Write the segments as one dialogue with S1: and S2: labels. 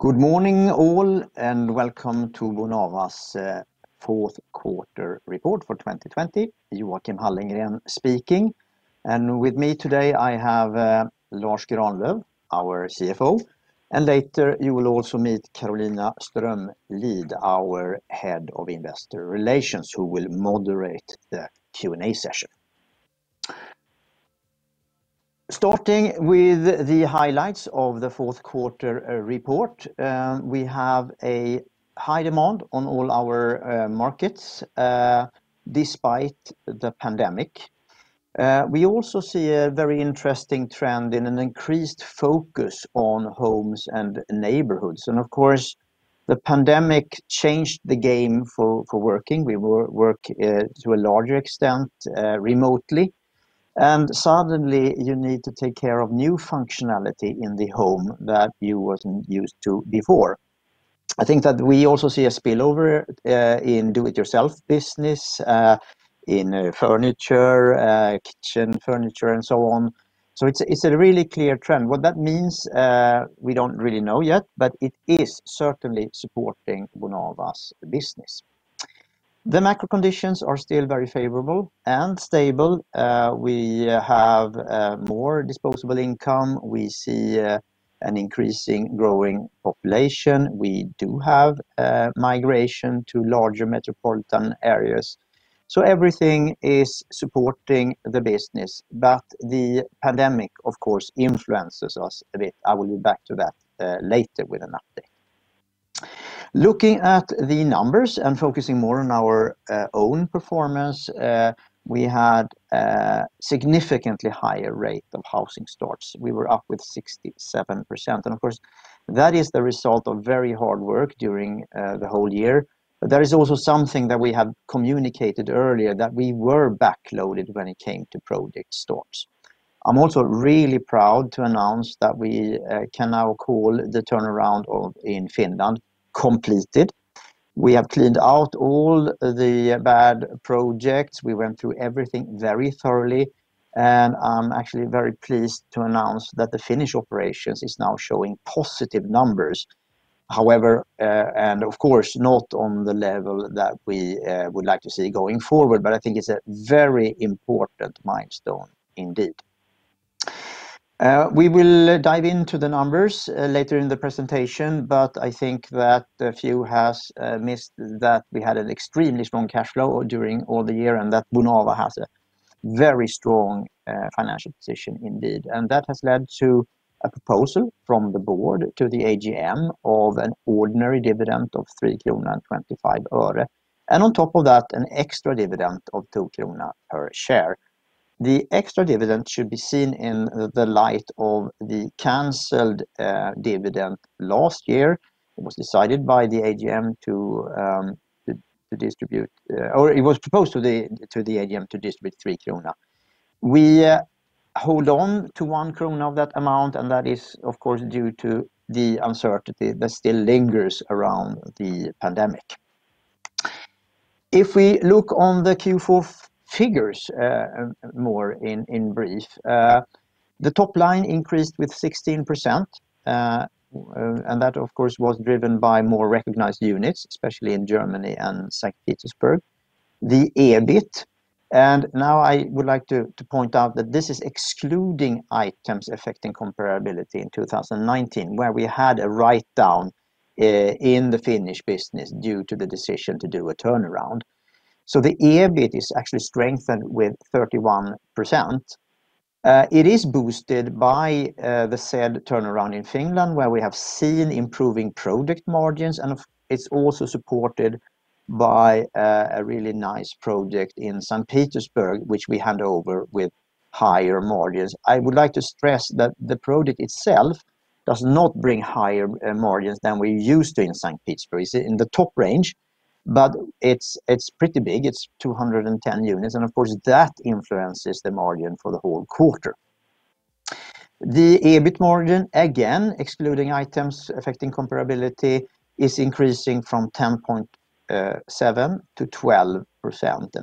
S1: Good morning, all, and welcome to Bonava's fourth quarter report for 2020. Joachim Hallengren speaking, and with me today I have Lars Granlöf, our CFO, and later you will also meet Carolina Strömlid, our Head of Investor Relations, who will moderate the Q&A session. Starting with the highlights of the fourth quarter report. We have a high demand on all our markets despite the pandemic. We also see a very interesting trend in an increased focus on homes and neighborhoods. Of course, the pandemic changed the game for working. We work to a larger extent remotely, and suddenly you need to take care of new functionality in the home that you wasn't used to before. I think that we also see a spillover in do it yourself business, in furniture, kitchen furniture and so on. It's a really clear trend. What that means we don't really know yet, but it is certainly supporting Bonava's business. The macro conditions are still very favorable and stable. We have more disposable income. We see an increasing growing population. We do have migration to larger metropolitan areas. Everything is supporting the business, but the pandemic, of course, influences us a bit. I will be back to that later with an update. Looking at the numbers and focusing more on our own performance, we had a significantly higher rate of housing starts. We were up with 67%, and of course, that is the result of very hard work during the whole year. There is also something that we have communicated earlier that we were backloaded when it came to project starts. I'm also really proud to announce that we can now call the turnaround in Finland completed. We have cleaned out all the bad projects. We went through everything very thoroughly, and I'm actually very pleased to announce that the Finnish operations is now showing positive numbers. However, and of course, not on the level that we would like to see going forward, but I think it's a very important milestone indeed. We will dive into the numbers later in the presentation, but I think that a few has missed that we had an extremely strong cash flow during all the year, and that Bonava has a very strong financial position indeed. That has led to a proposal from the board to the AGM of an ordinary dividend of 3.25 krona, and on top of that, an extra dividend of 2 krona per share. The extra dividend should be seen in the light of the canceled dividend last year. It was proposed to the AGM to distribute 3 krona. We hold on to 1 krona of that amount, and that is, of course, due to the uncertainty that still lingers around the pandemic. If we look on the Q4 figures more in brief. The top line increased with 16%, that, of course, was driven by more recognized units, especially in Germany and St. Petersburg. The EBIT, now I would like to point out that this is excluding items affecting comparability in 2019, where we had a write-down in the Finnish business due to the decision to do a turnaround. The EBIT is actually strengthened with 31%. It is boosted by the said turnaround in Finland, where we have seen improving project margins, and it is also supported by a really nice project in St. Petersburg, which we hand over with higher margins. I would like to stress that the project itself does not bring higher margins than we're used to in St. Petersburg. It's in the top range. It's pretty big. It's 210 units, and of course, that influences the margin for the whole quarter. The EBIT margin, again, excluding items affecting comparability, is increasing from 10.7%-12%.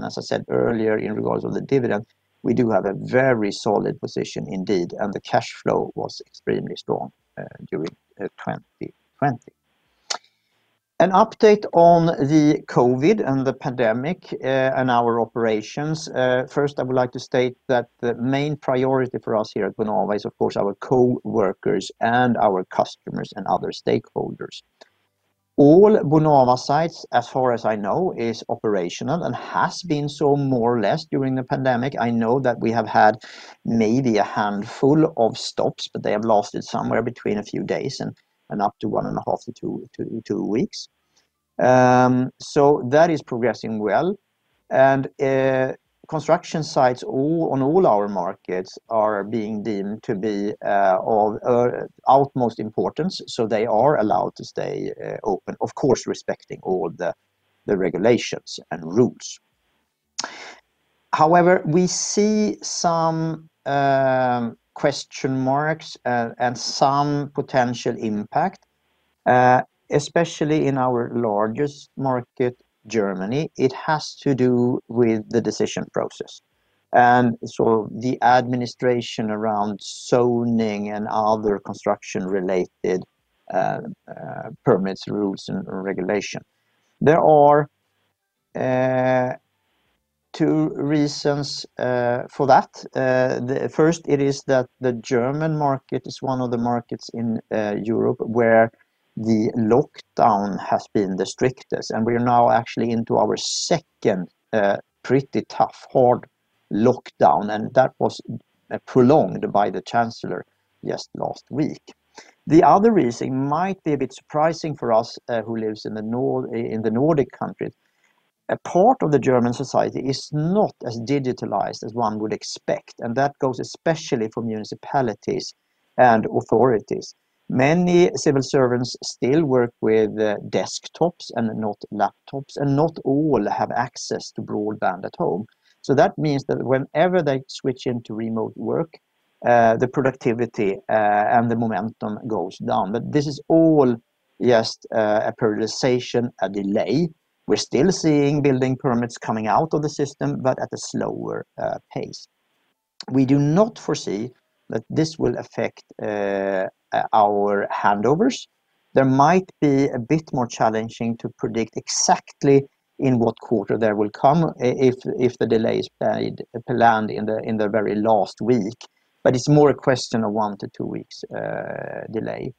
S1: As I said earlier in regards of the dividend, we do have a very solid position indeed, and the cash flow was extremely strong during 2020. An update on the COVID and the pandemic, and our operations. First, I would like to state that the main priority for us here at Bonava is, of course, our coworkers and our customers and other stakeholders. All Bonava sites, as far as I know, is operational and has been so more or less during the pandemic. I know that we have had maybe a handful of stops, but they have lasted somewhere between a few days and up to one and a half to two weeks. That is progressing well, construction sites on all our markets are being deemed to be of utmost importance, so they are allowed to stay open, of course, respecting all the regulations and rules. However, we see some question marks and some potential impact. Especially in our largest market, Germany, it has to do with the decision process. The administration around zoning and other construction-related permits, rules, and regulation. There are two reasons for that. First, it is that the German market is one of the markets in Europe where the lockdown has been the strictest, and we are now actually into our second pretty tough, hard lockdown, and that was prolonged by the chancellor just last week. The other reason might be a bit surprising for us who live in the Nordic countries. A part of the German society is not as digitalized as one would expect. That goes especially for municipalities and authorities. Many civil servants still work with desktops and not laptops. Not all have access to broadband at home. That means that whenever they switch into remote work, the productivity and the momentum goes down. This is all just a paralyzation, a delay. We're still seeing building permits coming out of the system, at a slower pace. We do not foresee that this will affect our handovers. There might be a bit more challenging to predict exactly in what quarter they will come if the delay is planned in the very last week. It's more a question of one to two weeks delay.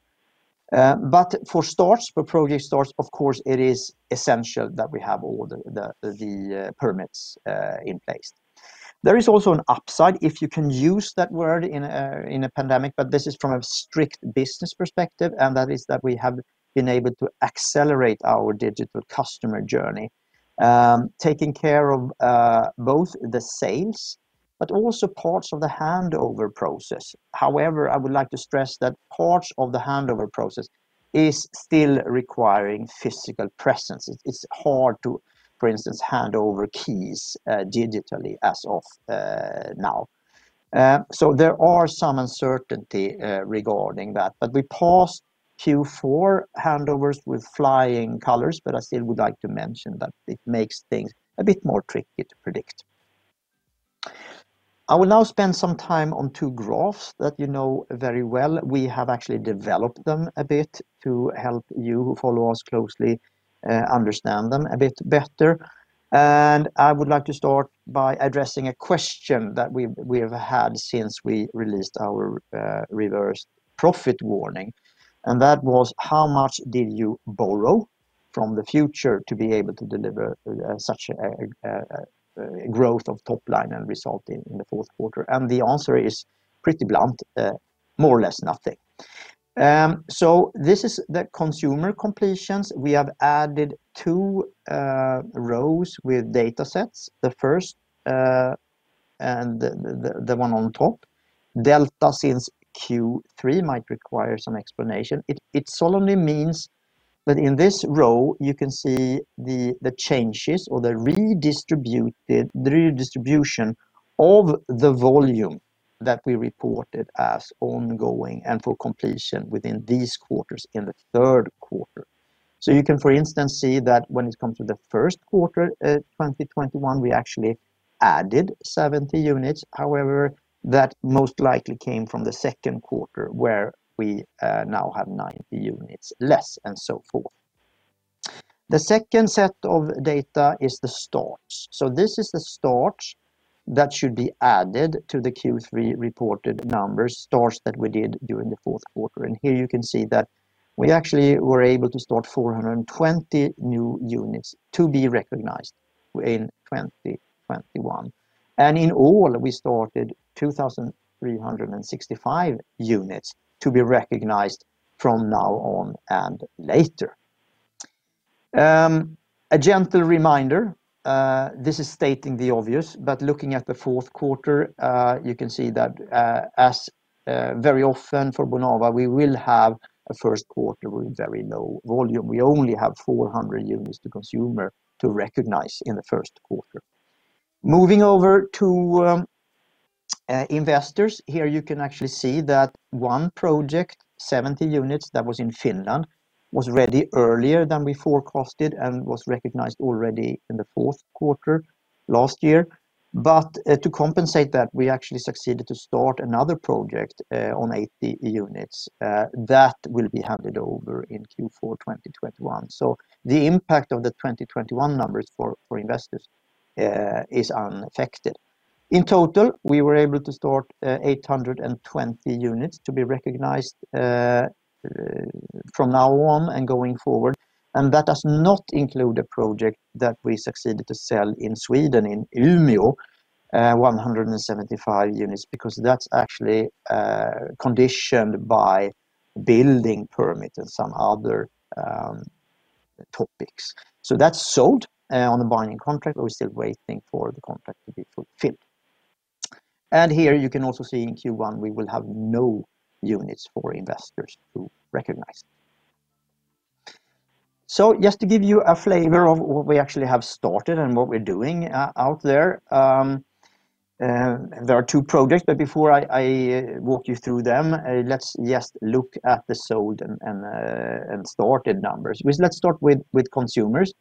S1: For project starts, of course, it is essential that we have all the permits in place. There is also an upside, if you can use that word in a pandemic, but this is from a strict business perspective, and that is that we have been able to accelerate our digital customer journey, taking care of both the sales, but also parts of the handover process. However, I would like to stress that parts of the handover process is still requiring physical presence. It's hard to, for instance, hand over keys digitally as of now. There are some uncertainty regarding that. We passed Q4 handovers with flying colors, but I still would like to mention that it makes things a bit more tricky to predict. I will now spend some time on two graphs that you know very well. We have actually developed them a bit to help you who follow us closely understand them a bit better. I would like to start by addressing a question that we've had since we released our reverse profit warning, and that was how much did you borrow from the future to be able to deliver such a growth of top line and result in the fourth quarter? The answer is pretty blunt, more or less nothing. This is the consumer completions. We have added two rows with data sets. The first, and the one on top, delta since Q3 might require some explanation. It solely means that in this row you can see the changes or the redistribution of the volume that we reported as ongoing and for completion within these quarters in the third quarter. You can, for instance, see that when it comes to the first quarter of 2021, we actually added 70 units. However, that most likely came from the second quarter, where we now have 90 units less, and so forth. The second set of data is the starts. This is the starts that should be added to the Q3 reported numbers, starts that we did during the fourth quarter. Here you can see that we actually were able to start 420 new units to be recognized in 2021. In all, we started 2,365 units to be recognized from now on and later. A gentle reminder, this is stating the obvious, looking at the fourth quarter, you can see that as very often for Bonava, we will have a first quarter with very low volume. We only have 400 units to consumer to recognize in the first quarter. Moving over to investors. Here you can actually see that one project, 70 units, that was in Finland, was ready earlier than we forecasted and was recognized already in the fourth quarter last year. To compensate that, we actually succeeded to start another project on 80 units that will be handed over in Q4 2021. The impact of the 2021 numbers for investors is unaffected. In total, we were able to start 820 units to be recognized from now on and going forward, and that does not include a project that we succeeded to sell in Sweden in Umeå, 175 units, because that's actually conditioned by building permit and some other topics. That's sold on the binding contract. We're still waiting for the contract to be fulfilled. Here you can also see in Q1, we will have no units for investors to recognize. Just to give you a flavor of what we actually have started and what we're doing out there. There are two projects, but before I walk you through them, let's just look at the sold and started numbers. Let's start with consumers.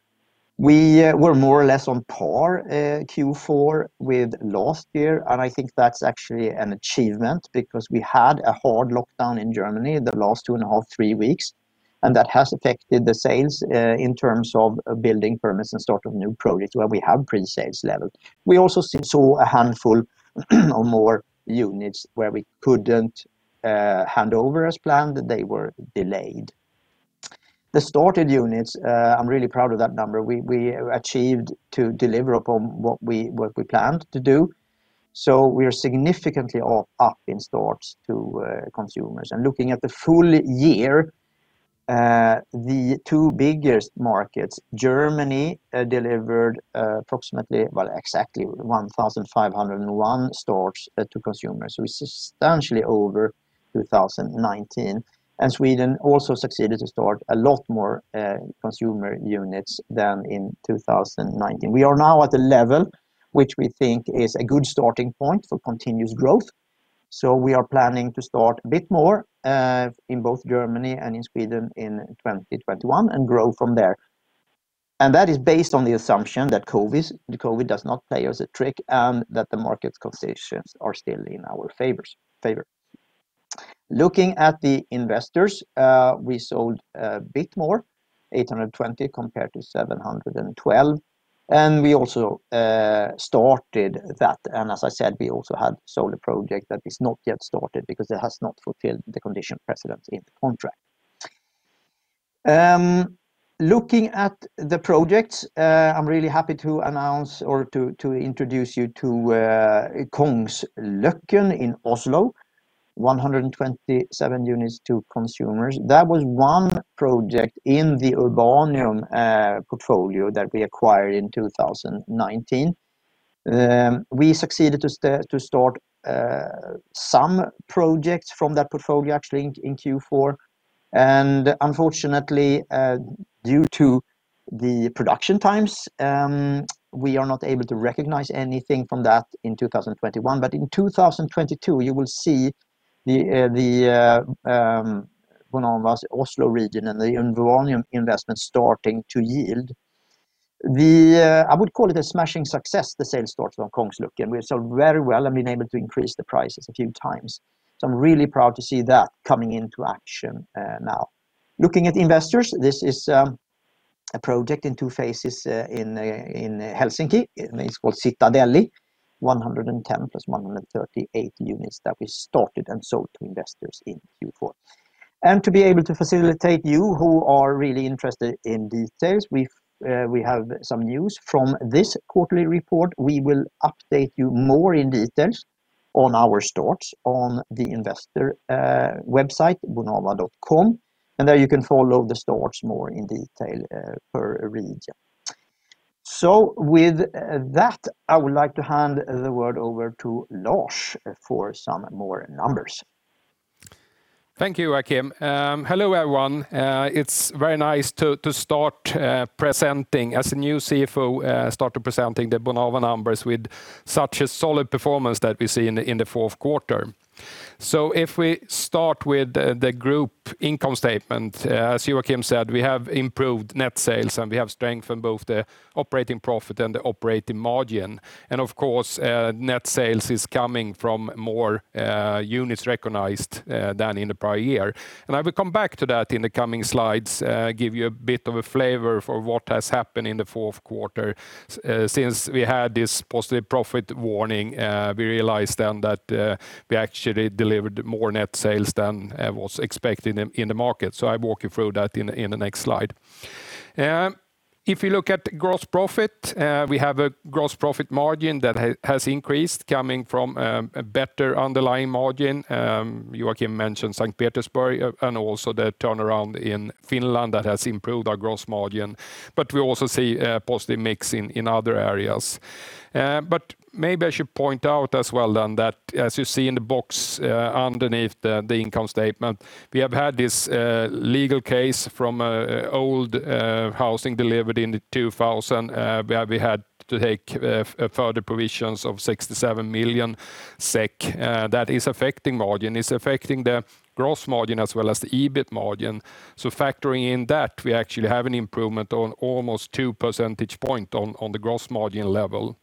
S1: We were more or less on par Q4 with last year, and I think that's actually an achievement because we had a hard lockdown in Germany the last two and a half, three weeks, and that has affected the sales in terms of building permits and sort of new projects where we have pre-sales level. We also saw a handful or more units where we couldn't hand over as planned. They were delayed. The started units, I'm really proud of that number. We achieved to deliver upon what we planned to do. We are significantly up in starts to consumers. Looking at the full year, the two biggest markets, Germany, delivered approximately exactly 1,501 starts to consumers. Substantially over 2019. Sweden also succeeded to start a lot more consumer units than in 2019. We are now at a level which we think is a good starting point for continuous growth. We are planning to start a bit more, in both Germany and in Sweden in 2021 and grow from there. That is based on the assumption that COVID does not play us a trick and that the market conditions are still in our favor. Looking at the investors, we sold a bit more, 820 compared to 712, and we also started that. As I said, we also had sold a project that is not yet started because it has not fulfilled the condition precedent in the contract. Looking at the projects, I'm really happy to announce or to introduce you to Kongsløkken in Oslo, 127 units to consumers. That was one project in the Urbanium portfolio that we acquired in 2019. We succeeded to start some projects from that portfolio actually in Q4. Unfortunately, due to the production times, we are not able to recognize anything from that in 2021. In 2022, you will see the Bonava Oslo region and the Urbanium investment starting to yield. I would call it a smashing success, the sale start from Kongsløkken. We have sold very well and been able to increase the prices a few times. I'm really proud to see that coming into action now. Looking at investors, this is a project in two phases in Helsinki. It's called Sitadelli, 110+138 units that we started and sold to investors in Q4. To be able to facilitate you who are really interested in details, we have some news from this quarterly report. We will update you more in details on our starts on the investor website, bonava.com, and there you can follow the starts more in detail per region. With that, I would like to hand the word over to Lars for some more numbers.
S2: Thank you, Joachim. Hello, everyone. It's very nice to start presenting as a new CFO, start presenting the Bonava numbers with such a solid performance that we see in the fourth quarter. If we start with the group income statement, as Joachim said, we have improved net sales, we have strengthened both the operating profit and the operating margin. Of course, net sales is coming from more units recognized than in the prior year. I will come back to that in the coming slides, give you a bit of a flavor for what has happened in the fourth quarter. Since we had this positive profit warning, we realized then that we actually delivered more net sales than was expected in the market. I walk you through that in the next slide. If you look at gross profit, we have a gross profit margin that has increased, coming from a better underlying margin. Joachim mentioned St. Petersburg and also the turnaround in Finland that has improved our gross margin, but we also see a positive mix in other areas. Maybe I should point out as well then that as you see in the box underneath the income statement, we have had this legal case from old housing delivered in 2000, where we had to take further provisions of 67 million SEK. That is affecting margin. It's affecting the gross margin as well as the EBIT margin. Factoring in that, we actually have an improvement on almost two percentage point on the gross margin level.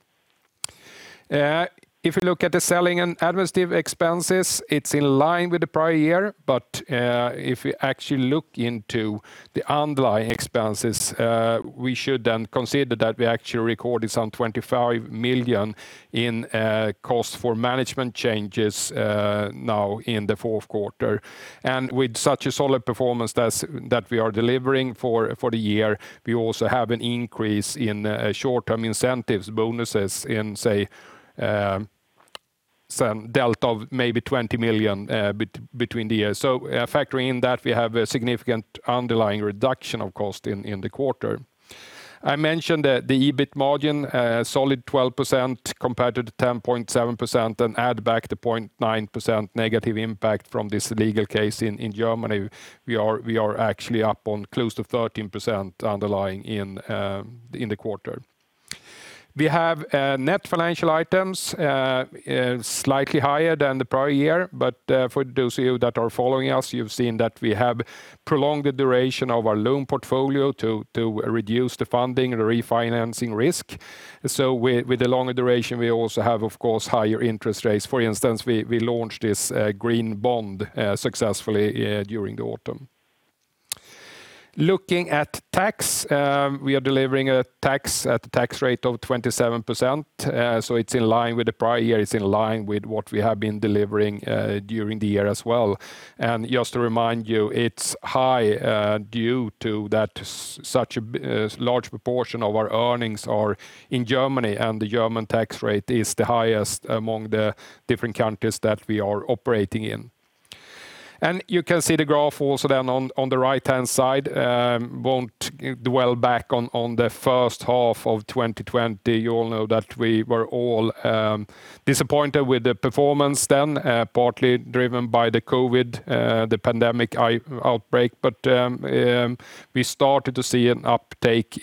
S2: If you look at the selling and administrative expenses, it's in line with the prior year. If you actually look into the underlying expenses, we should then consider that we actually recorded some 25 million in cost for management changes now in the fourth quarter. With such a solid performance that we are delivering for the year, we also have an increase in short-term incentives, bonuses in say, some delta of maybe 20 million between the years. Factoring in that, we have a significant underlying reduction of cost in the quarter. I mentioned that the EBIT margin, a solid 12% compared to the 10.7%, and add back the 0.9% negative impact from this legal case in Germany. We are actually up on close to 13% underlying in the quarter. We have net financial items slightly higher than the prior year. For those of you that are following us, you've seen that we have prolonged the duration of our loan portfolio to reduce the funding, the refinancing risk. With the longer duration, we also have, of course, higher interest rates. For instance, we launched this green bond successfully during the autumn. Looking at tax, we are delivering tax at a tax rate of 27%, so it's in line with the prior year. It's in line with what we have been delivering during the year as well. Just to remind you, it's high due to such a large proportion of our earnings are in Germany, and the German tax rate is the highest among the different countries that we are operating in. You can see the graph also then on the right-hand side. Won't dwell back on the first half of 2020. You all know that we were all disappointed with the performance then, partly driven by the COVID, the pandemic outbreak. We started to see an uptick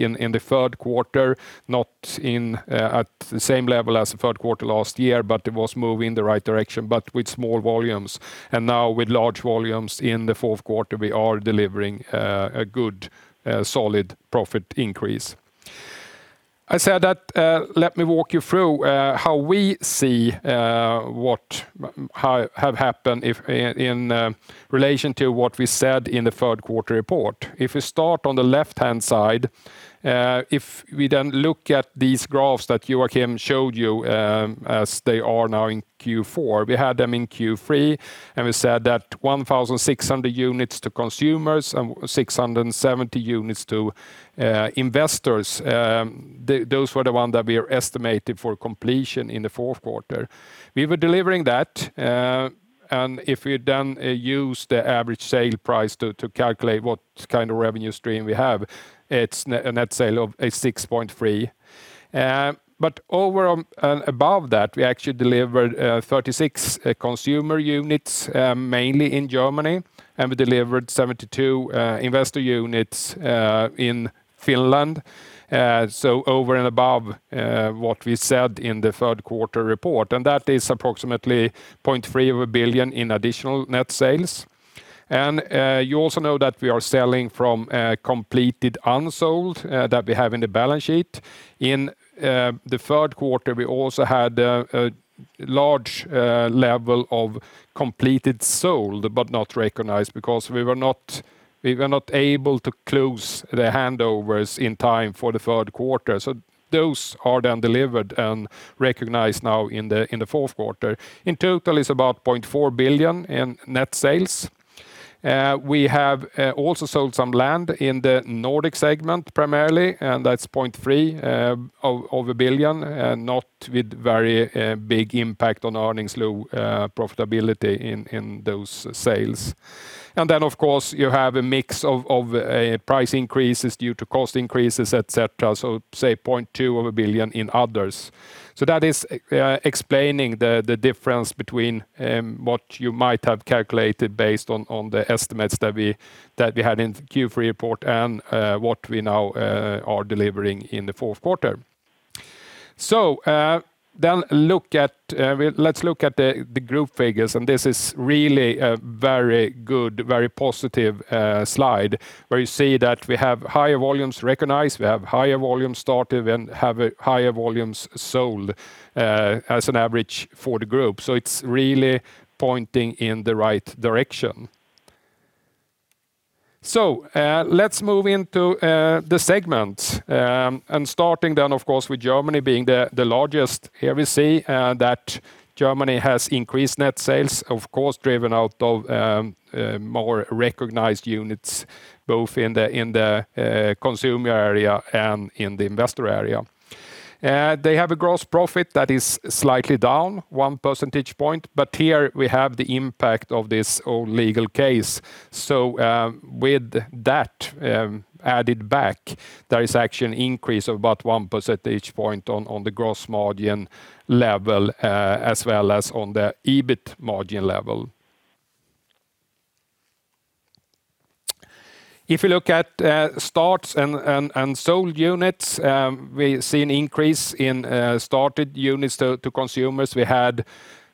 S2: in the third quarter, not at the same level as the third quarter last year, but it was moving in the right direction, but with small volumes. Now with large volumes in the fourth quarter, we are delivering a good, solid profit increase. I said that. Let me walk you through how we see what have happened in relation to what we said in the third quarter report. If we start on the left-hand side, if we then look at these graphs that Joachim showed you as they are now in Q4. We had them in Q3, and we said that 1,600 units to consumers and 670 units to investors. Those were the ones that we estimated for completion in the fourth quarter. We were delivering that. If we then use the average sale price to calculate what kind of revenue stream we have, it's a net sales of 6.3 billion. Over and above that, we actually delivered 36 consumer units, mainly in Germany, and we delivered 72 investor units in Finland. Over and above what we said in the third quarter report, that is approximately 0.3 billion in additional net sales. You also know that we are selling from completed unsold that we have in the balance sheet. In the third quarter, we also had a large level of completed sold but not recognized because we were not able to close the handovers in time for the third quarter. Those are then delivered and recognized now in the fourth quarter. In total, it's about 0.4 billion in net sales. We have also sold some land in the Nordic segment primarily, that's 0.3 billion, not with very big impact on earnings, low profitability in those sales. Of course, you have a mix of price increases due to cost increases, et cetera. Say 0.2 billion in others. That is explaining the difference between what you might have calculated based on the estimates that we had in the Q3 report and what we now are delivering in the fourth quarter. Let's look at the group figures, this is really a very good, very positive slide where you see that we have higher volumes recognized, we have higher volumes started, and have higher volumes sold as an average for the group. It's really pointing in the right direction. Let's move into the segments. Starting, of course, with Germany being the largest here. We see that Germany has increased net sales, of course, driven out of more recognized units, both in the consumer area and in the investor area. They have a gross profit that is slightly down one percentage point, but here we have the impact of this old legal case. With that added back, there is actually an increase of about one percentage point on the gross margin level as well as on the EBIT margin level. If you look at starts and sold units, we see an increase in started units to consumers. We had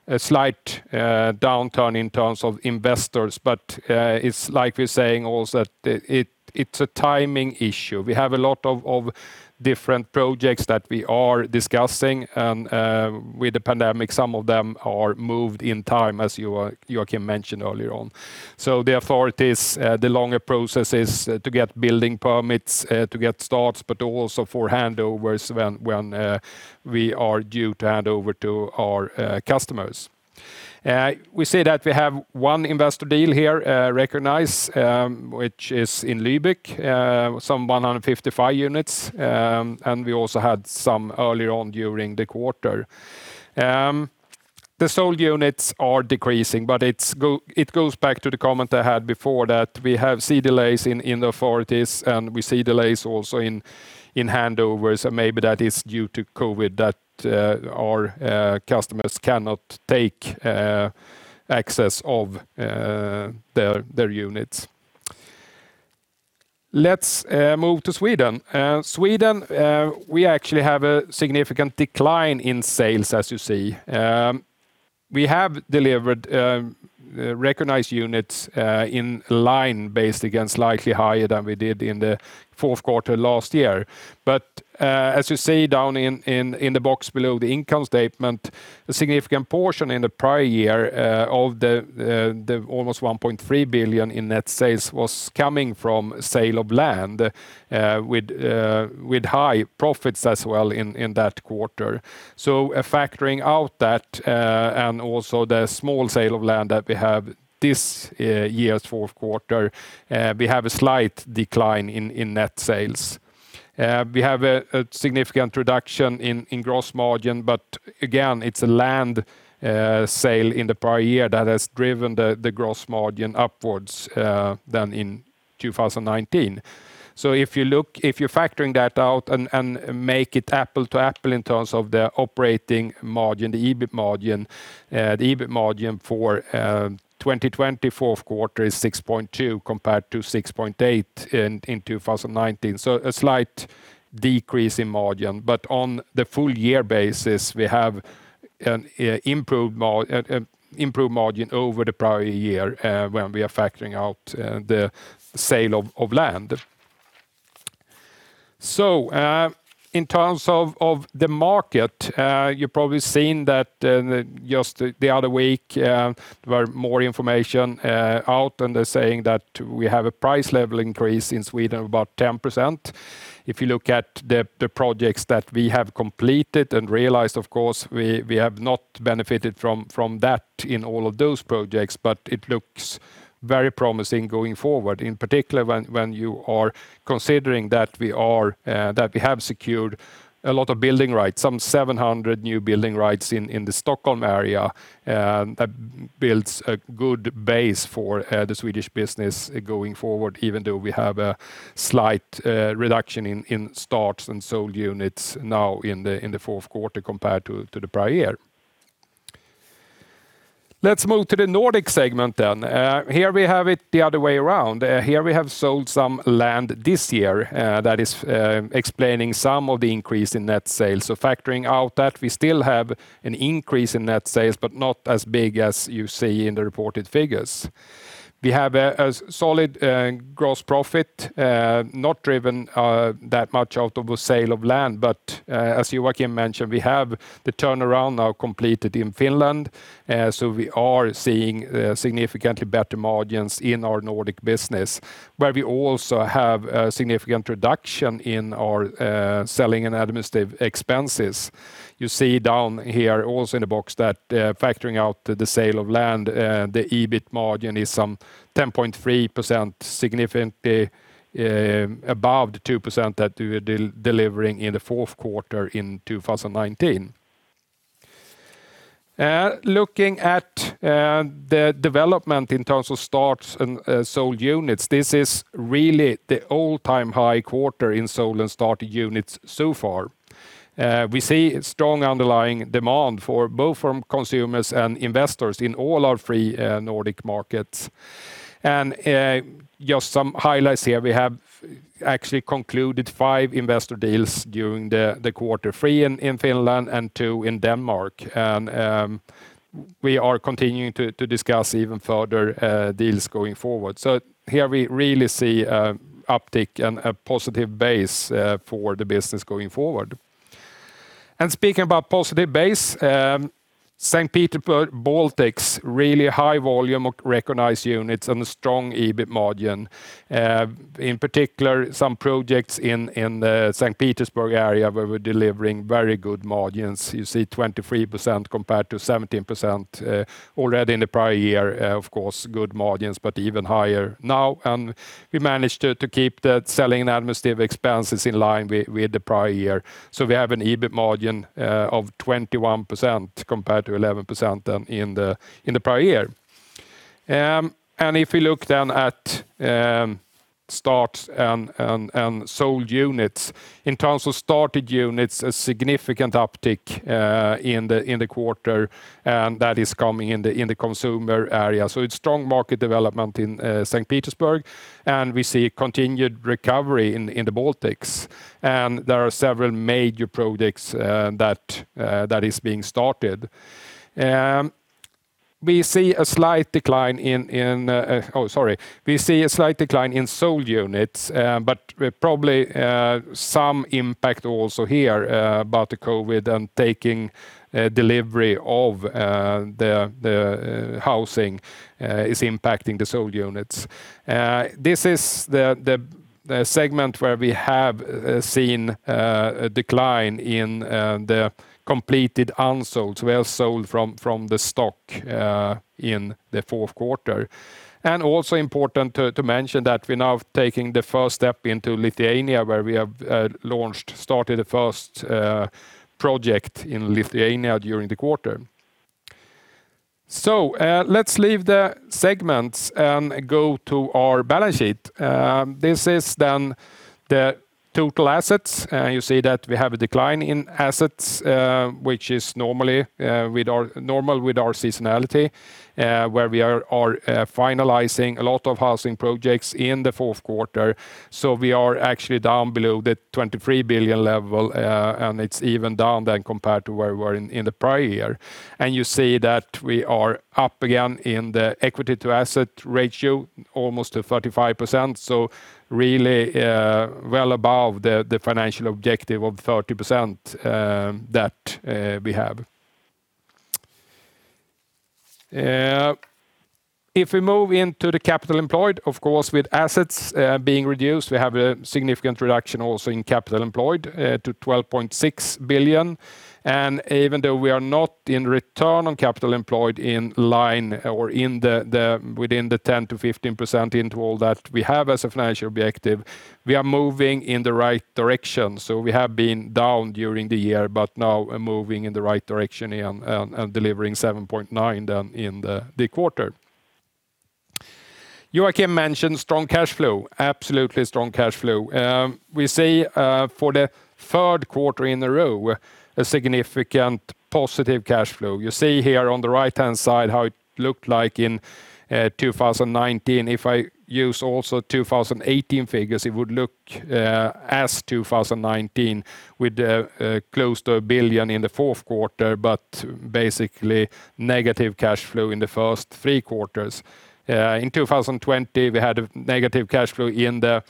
S2: a slight downturn in terms of investors, but it's like we're saying also, it's a timing issue. We have a lot of different projects that we are discussing. With the pandemic, some of them are moved in time, as Joachim mentioned earlier on. The authorities, the longer processes to get building permits, to get starts, but also for handovers when we are due to hand over to our customers. We see that we have one investor deal here recognized, which is in Lübeck, some 155 units. We also had some earlier on during the quarter. The sold units are decreasing. It goes back to the comment I had before that we have seen delays in the authorities, and we see delays also in handovers. Maybe that is due to COVID that our customers cannot take access of their units. Let's move to Sweden. Sweden, we actually have a significant decline in sales, as you see. We have delivered recognized units in line based against slightly higher than we did in the fourth quarter last year. As you see down in the box below the income statement, a significant portion in the prior year of the almost 1.3 billion in net sales was coming from sale of land with high profits as well in that quarter. Factoring out that, and also the small sale of land that we have this year's fourth quarter, we have a slight decline in net sales. We have a significant reduction in gross margin, but again, it's a land sale in the prior year that has driven the gross margin upwards than in 2019. If you're factoring that out and make it apple to apple in terms of the operating margin, the EBIT margin. The EBIT margin for 2020 fourth quarter is 6.2% compared to 6.8% in 2019. A slight decrease in margin. On the full year basis, we have an improved margin over the prior year when we are factoring out the sale of land. In terms of the market, you've probably seen that just the other week, there were more information out, and they're saying that we have a price level increase in Sweden of about 10%. If you look at the projects that we have completed and realized, of course, we have not benefited from that in all of those projects, but it looks very promising going forward. In particular, when you are considering that we have secured a lot of building rights, some 700 new building rights in the Stockholm area. That builds a good base for the Swedish business going forward, even though we have a slight reduction in starts and sold units now in the fourth quarter compared to the prior year. Let's move to the Nordic segment. Here we have it the other way around. Here we have sold some land this year that is explaining some of the increase in net sales. Factoring out that, we still have an increase in net sales, but not as big as you see in the reported figures. We have a solid gross profit, not driven that much out of the sale of land. As Joachim mentioned, we have the turnaround now completed in Finland. We are seeing significantly better margins in our Nordic business, where we also have a significant reduction in our selling and administrative expenses. You see down here also in the box that factoring out the sale of land, the EBIT margin is some 10.3%, significantly above the 2% that we were delivering in the fourth quarter in 2019. Looking at the development in terms of starts and sold units, this is really the all-time high quarter in sold and started units so far. We see strong underlying demand for both from consumers and investors in all our three Nordic markets. Just some highlights here. We have actually concluded five investor deals during the quarter, three in Finland and two in Denmark. We are continuing to discuss even further deals going forward. Here we really see uptick and a positive base for the business going forward. Speaking about positive base, St. Petersburg, Baltics, really high volume of recognized units and a strong EBIT margin. In particular, some projects in the St. Petersburg area where we're delivering very good margins. You see 23% compared to 17% already in the prior year. Good margins, but even higher now. We managed to keep the selling and administrative expenses in line with the prior year. We have an EBIT margin of 21% compared to 11% then in the prior year. If we look at starts and sold units. In terms of started units, a significant uptick in the quarter, that is coming in the consumer area. It's strong market development in St. Petersburg, we see continued recovery in the Baltics. There are several major projects that is being started. We see a slight decline in sold units. Probably some impact also here about the COVID taking delivery of the housing is impacting the sold units. This is the segment where we have seen a decline in the completed unsolds. We have sold from the stock in the fourth quarter. Also important to mention that we're now taking the first step into Lithuania, where we have started the first project in Lithuania during the quarter. Let's leave the segments and go to our balance sheet. This is then the total assets. You see that we have a decline in assets, which is normal with our seasonality, where we are finalizing a lot of housing projects in the fourth quarter. We are actually down below the 23 billion level, and it's even down compared to where we were in the prior year. You see that we are up again in the equity to asset ratio, almost to 35%. Really well above the financial objective of 30% that we have. If we move into the capital employed, of course, with assets being reduced, we have a significant reduction also in capital employed to 12.6 billion. Even though we are not in return on capital employed within the 10%-15% interval that we have as a financial objective, we are moving in the right direction. We have been down during the year, but now are moving in the right direction and delivering 7.9% in the quarter. Joachim mentioned strong cash flow. Absolutely strong cash flow. We see for the third quarter in a row, a significant positive cash flow. You see here on the right-hand side how it looked like in 2019. If I use also 2018 figures, it would look as 2019 with close to 1 billion in the fourth quarter, basically negative cash flow in the first three quarters. In 2020, we had a negative cash flow in the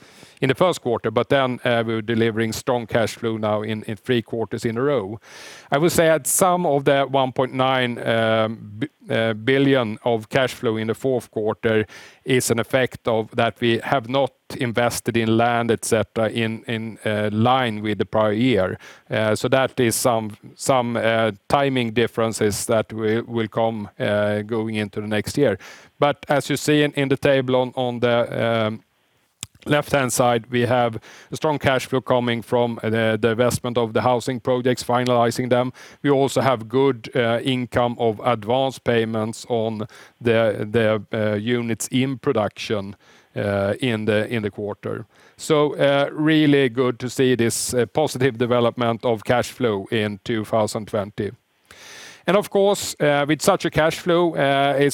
S2: first quarter. We're delivering strong cash flow now in three quarters in a row. I would say some of the 1.9 billion of cash flow in the fourth quarter is an effect of that we have not invested in land, et cetera, in line with the prior year. That is some timing differences that will come going into the next year. As you see in the table on the left-hand side, we have strong cash flow coming from the divestment of the housing projects, finalizing them. We also have good income of advance payments on the units in production in the quarter. Really good to see this positive development of cash flow in 2020. Of course, with such a cash flow, it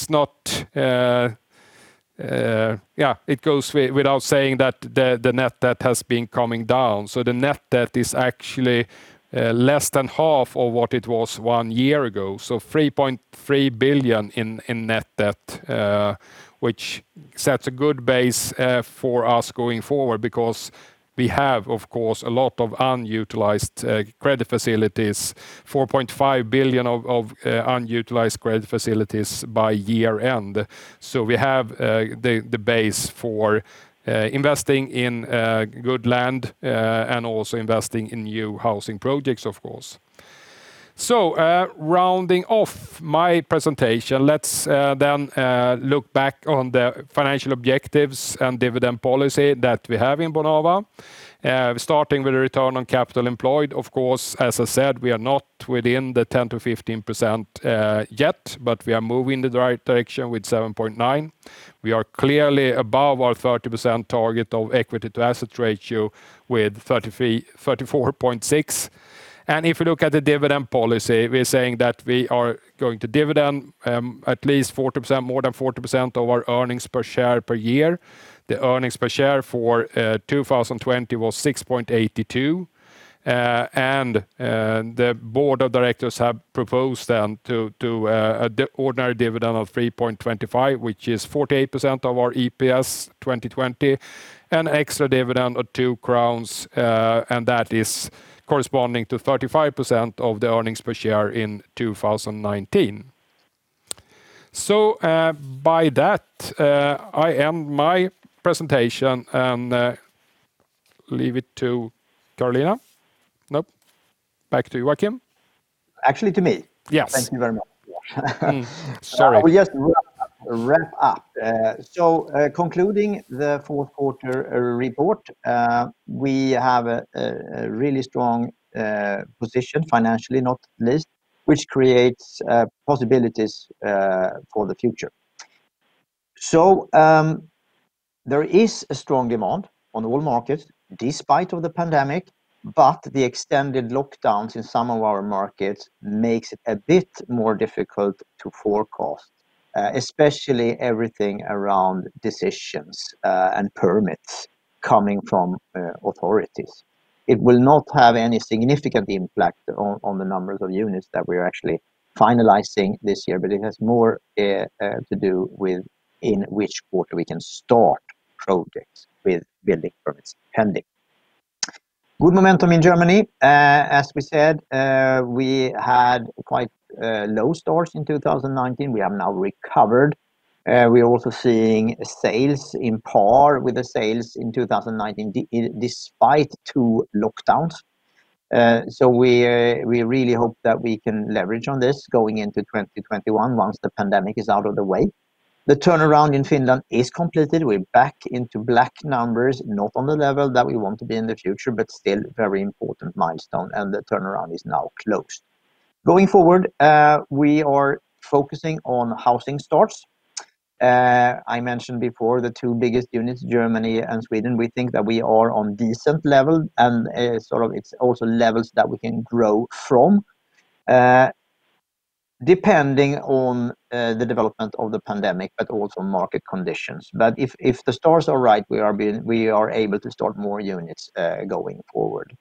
S2: goes without saying that the net debt has been coming down. The net debt is actually less than half of what it was one year ago. 3.3 billion in net debt, which sets a good base for us going forward because we have, of course, a lot of unutilized credit facilities, 4.5 billion of unutilized credit facilities by year-end. We have the base for investing in good land, and also investing in new housing projects, of course. Rounding off my presentation, let's look back on the financial objectives and dividend policy that we have in Bonava. Starting with a Return on Capital Employed. Of course, as I said, we are not within the 10%-15% yet, but we are moving in the right direction with 7.9%. We are clearly above our 30% target of Equity to Asset Ratio with 34.6%. If you look at the dividend policy, we are saying that we are going to dividend at least more than 40% of our earnings per share per year. The earnings per share for 2020 was 6.82. The board of directors have proposed then to an ordinary dividend of 3.25, which is 48% of our EPS 2020, an extra dividend of 2 crowns, and that is corresponding to 35% of the earnings per share in 2019. By that, I end my presentation and leave it to Carolina. Nope. Back to Joachim.
S1: Actually to me.
S2: Yes.
S1: Thank you very much.
S2: Sorry.
S1: I will just wrap up. Concluding the fourth quarter report, we have a really strong position financially, not least, which creates possibilities for the future. There is a strong demand on all markets despite of the pandemic, but the extended lockdowns in some of our markets makes it a bit more difficult to forecast, especially everything around decisions and permits coming from authorities. It will not have any significant impact on the numbers of units that we're actually finalizing this year, but it has more to do with in which quarter we can start projects with building permits pending. Good momentum in Germany. As we said, we had quite low starts in 2019. We have now recovered. We are also seeing sales in par with the sales in 2019, despite two lockdowns. We really hope that we can leverage on this going into 2021 once the pandemic is out of the way. The turnaround in Finland is completed. We're back into black numbers, not on the level that we want to be in the future, but still a very important milestone, and the turnaround is now closed. Going forward, we are focusing on housing starts. I mentioned before the two biggest units, Germany and Sweden. We think that we are on a decent level, and it's also levels that we can grow from, depending on the development of the pandemic, but also market conditions. If the starts are right, we are able to start more units going forward.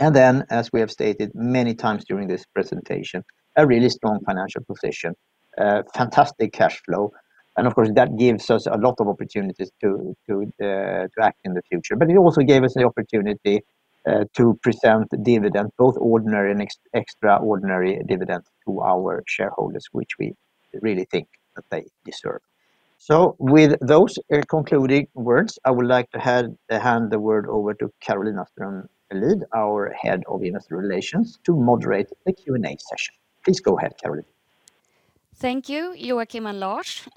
S1: As we have stated many times during this presentation, a really strong financial position, fantastic cash flow. Of course, that gives us a lot of opportunities to act in the future. It also gave us the opportunity to present dividend, both ordinary and extraordinary dividend to our shareholders, which we really think that they deserve. With those concluding words, I would like to hand the word over to Carolina Strömlid, our Head of Investor Relations, to moderate the Q&A session. Please go ahead, Carolina.
S3: Thank you, Joachim and Lars.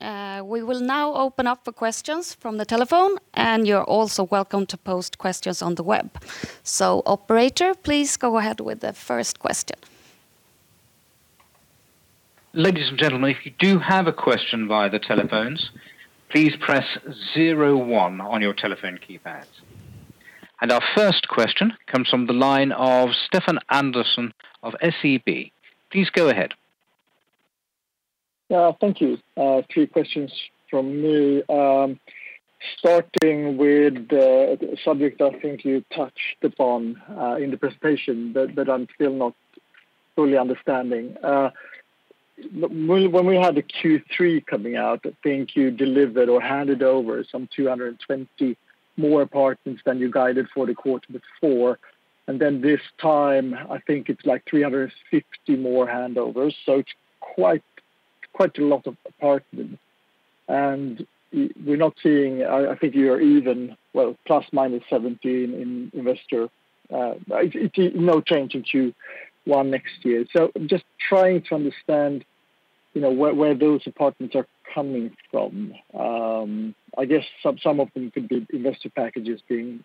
S3: We will now open up for questions from the telephone. You're also welcome to post questions on the web. Operator, please go ahead with the first question.
S4: Ladies and gentlemen, if you do have a question via the telephones, please press zero one on your telephone keypads. Our first question comes from the line of Stefan Andersson of SEB. Please go ahead.
S5: Thank you. Three questions from me. Starting with the subject I think you touched upon in the presentation that I'm still not fully understanding. When we had the Q3 coming out, I think you delivered or handed over some 220 more apartments than you guided for the quarter before. Then this time, I think it's like 350 more handovers. It's quite a lot of apartments. We're not seeing, I think you're even, well, plus minus 17 in investor. No change in Q1 next year. Just trying to understand where those apartments are coming from. I guess some of them could be investor packages being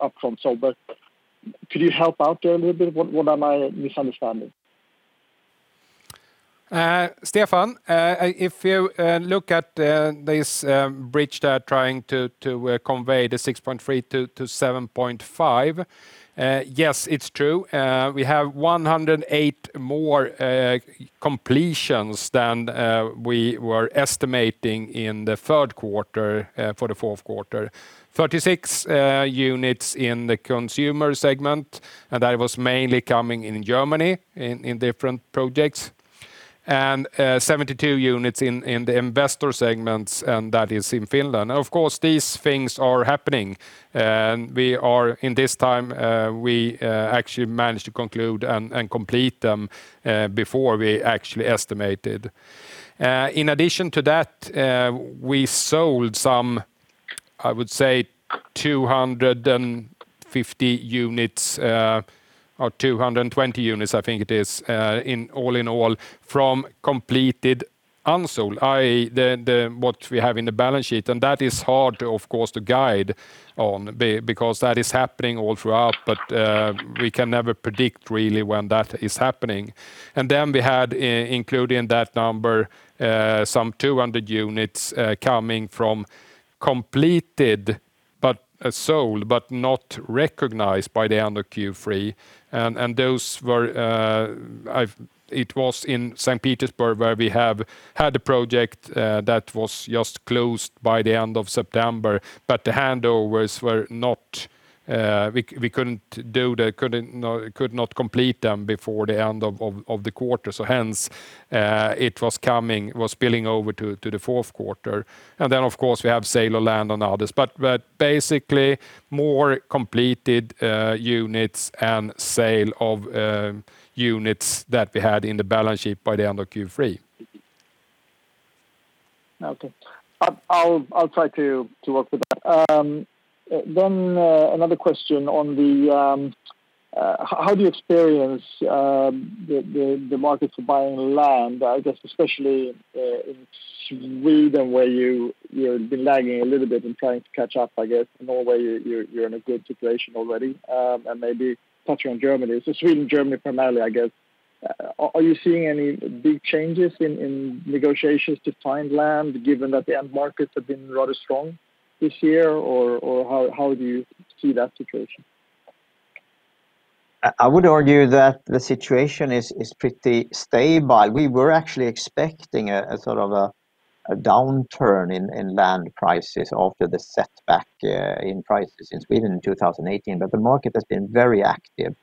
S5: up from sold, but could you help out there a little bit? What am I misunderstanding?
S2: Stefan, if you look at this bridge they're trying to convey, the 6.3 billion-7.5 billion. Yes, it is true. We have 108 more completions than we were estimating in the third quarter for the fourth quarter. 36 units in the consumer segment, and that was mainly coming in Germany in different projects, and 72 units in the investor segments, and that is in Finland. Of course, these things are happening. In this time, we actually managed to conclude and complete them before we actually estimated. In addition to that, we sold some, I would say, 250 units or 220 units, I think it is, all in all, from completed unsold, i.e., what we have in the balance sheet. That is hard, of course, to guide on because that is happening all throughout, but we can never predict really when that is happening. We had included in that number 200 units coming from completed, sold, but not recognized by the end of Q3. It was in St. Petersburg where we have had a project that was just closed by the end of September, but the handovers, we could not complete them before the end of the quarter. Hence, it was spilling over to the fourth quarter. Of course, we have sale of land and others. Basically, more completed units and sale of units that we had in the balance sheet by the end of Q3.
S5: Okay. I'll try to work with that. Another question on how do you experience the markets for buying land? I guess especially in Sweden, where you've been lagging a little bit and trying to catch up, I guess. Norway, you're in a good situation already, and maybe touching on Germany. Sweden, Germany primarily, I guess. Are you seeing any big changes in negotiations to find land, given that the end markets have been rather strong this year? How do you see that situation?
S1: I would argue that the situation is pretty stable. We were actually expecting a sort of a downturn in land prices after the setback in prices in Sweden in 2018. The market has been very active.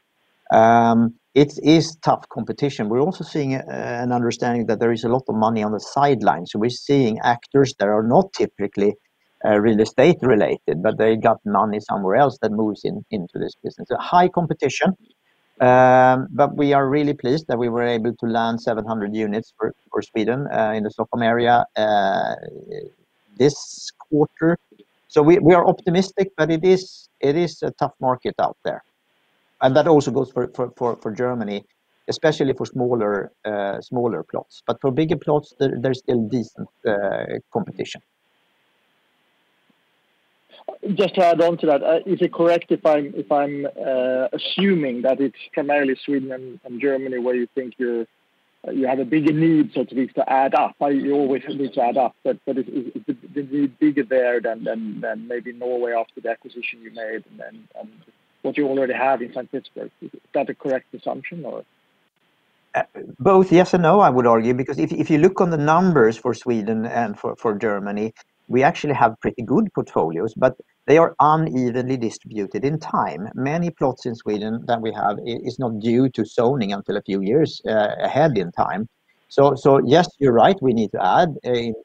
S1: It is tough competition. We're also seeing an understanding that there is a lot of money on the sidelines. We're seeing actors that are not typically real estate related, but they got money somewhere else that moves into this business. High competition. We are really pleased that we were able to land 700 units for Sweden in the Stockholm area this quarter. We are optimistic, but it is a tough market out there. That also goes for Germany, especially for smaller plots. For bigger plots, there's still decent competition.
S5: Just to add on to that, is it correct if I'm assuming that it's primarily Sweden and Germany where you think you have a bigger need, so to speak, to add up? You always need to add up. Is the need bigger there than maybe Norway after the acquisition you made and what you already have in Saint Petersburg? Is that a correct assumption or?
S1: Both yes and no, I would argue, because if you look on the numbers for Sweden and for Germany, we actually have pretty good portfolios, but they are unevenly distributed in time. Many plots in Sweden that we have is not due to zoning until a few years ahead in time. Yes, you're right, we need to add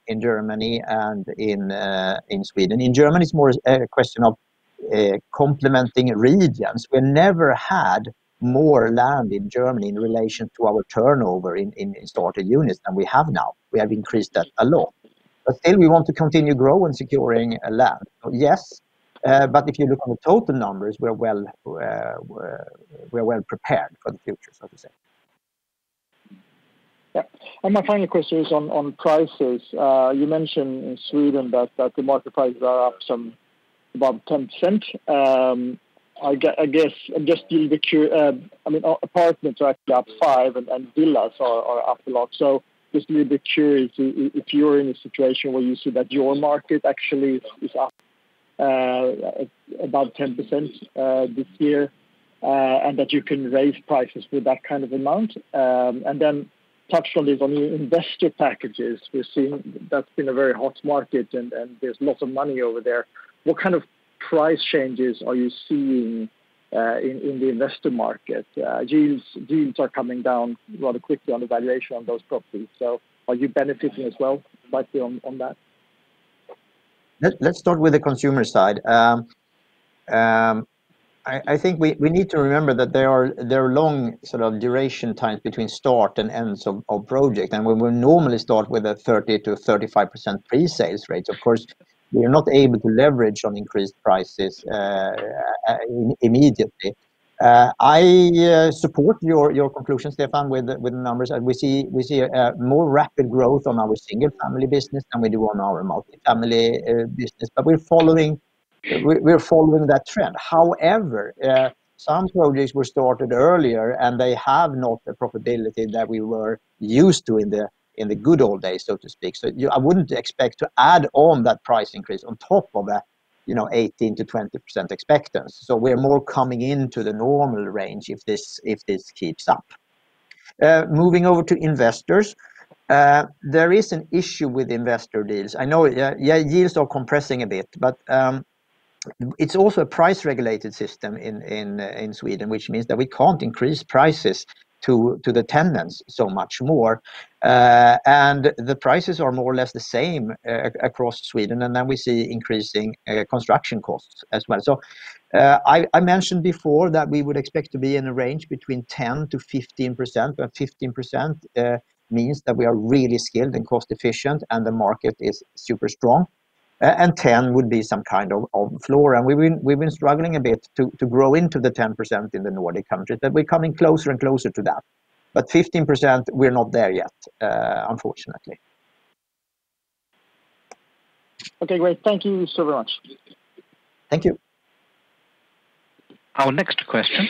S1: in Germany and in Sweden. In Germany, it's more a question of complementing regions. We never had more land in Germany in relation to our turnover in started units than we have now. We have increased that a lot. Still we want to continue growing, securing land. Yes. If you look on the total numbers, we're well-prepared for the future, so to say.
S5: Yeah. My final question is on prices. You mentioned in Sweden that the market prices are up some above 10%. I guess, just a little bit curious, apartments are actually up five and villas are up a lot. Just a little bit curious if you're in a situation where you see that your market actually is up about 10% this year, and that you can raise prices with that kind of amount. Touch on this on the investor packages we're seeing, that's been a very hot market and there's lots of money over there. What kind of price changes are you seeing in the investor market? Deals are coming down rather quickly on the valuation on those properties. Are you benefiting as well, slightly on that?
S1: Let's start with the consumer side. I think we need to remember that there are long sort of duration times between start and ends of project. We will normally start with a 30%-35% pre-sales rates. Of course, we are not able to leverage on increased prices immediately. I support your conclusion, Stefan, with the numbers. We see more rapid growth on our single-family business than we do on our multi-family business. We're following that trend. However, some projects were started earlier, and they have not the profitability that we were used to in the good old days, so to speak. I wouldn't expect to add on that price increase on top of that 18%-20% expectancy. We are more coming into the normal range if this keeps up. Moving over to investors. There is an issue with investor deals. I know yields are compressing a bit, but it's also a price-regulated system in Sweden, which means that we can't increase prices to the tenants so much more. The prices are more or less the same across Sweden. We see increasing construction costs as well. I mentioned before that we would expect to be in a range between 10%-15%, where 15% means that we are really skilled and cost efficient and the market is super strong. 10 would be some kind of floor. We've been struggling a bit to grow into the 10% in the Nordic countries, but we're coming closer and closer to that. 15%, we're not there yet, unfortunately.
S5: Okay, great. Thank you so much.
S1: Thank you.
S4: Our next question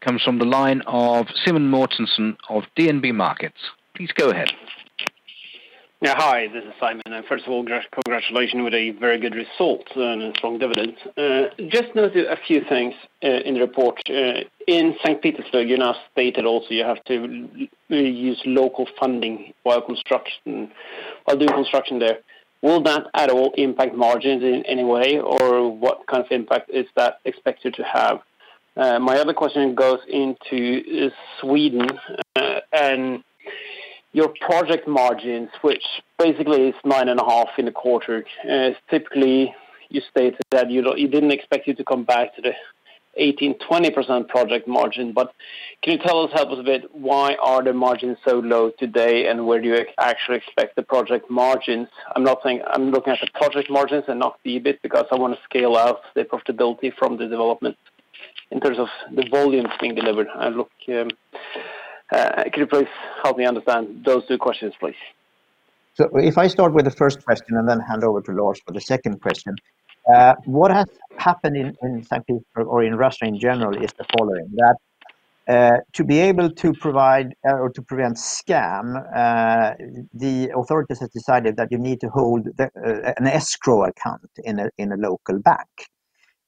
S4: comes from the line of Simen Mortensen of DNB Markets. Please go ahead.
S6: Yeah. Hi, this is Simen. First of all, congratulations with a very good result and a strong dividend. Just noted a few things in the report. In Saint Petersburg, you now stated also you have to use local funding while doing construction there. Will that at all impact margins in any way, or what kind of impact is that expected to have? My other question goes into Sweden and your project margins, which basically is 9.5% in the quarter. Typically, you stated that you didn't expect it to come back to the 18%-20% project margin. Can you tell us, help us a bit, why are the margins so low today, and where do you actually expect the project margins? I'm looking at the project margins and not the EBIT because I want to scale out the profitability from the development in terms of the volumes being delivered. Can you please help me understand those two questions, please?
S1: If I start with the first question and then hand over to Lars for the second question. What has happened in Saint Petersburg or in Russia in general is the following, that to be able to provide or to prevent scam, the authorities have decided that you need to hold an escrow account in a local bank.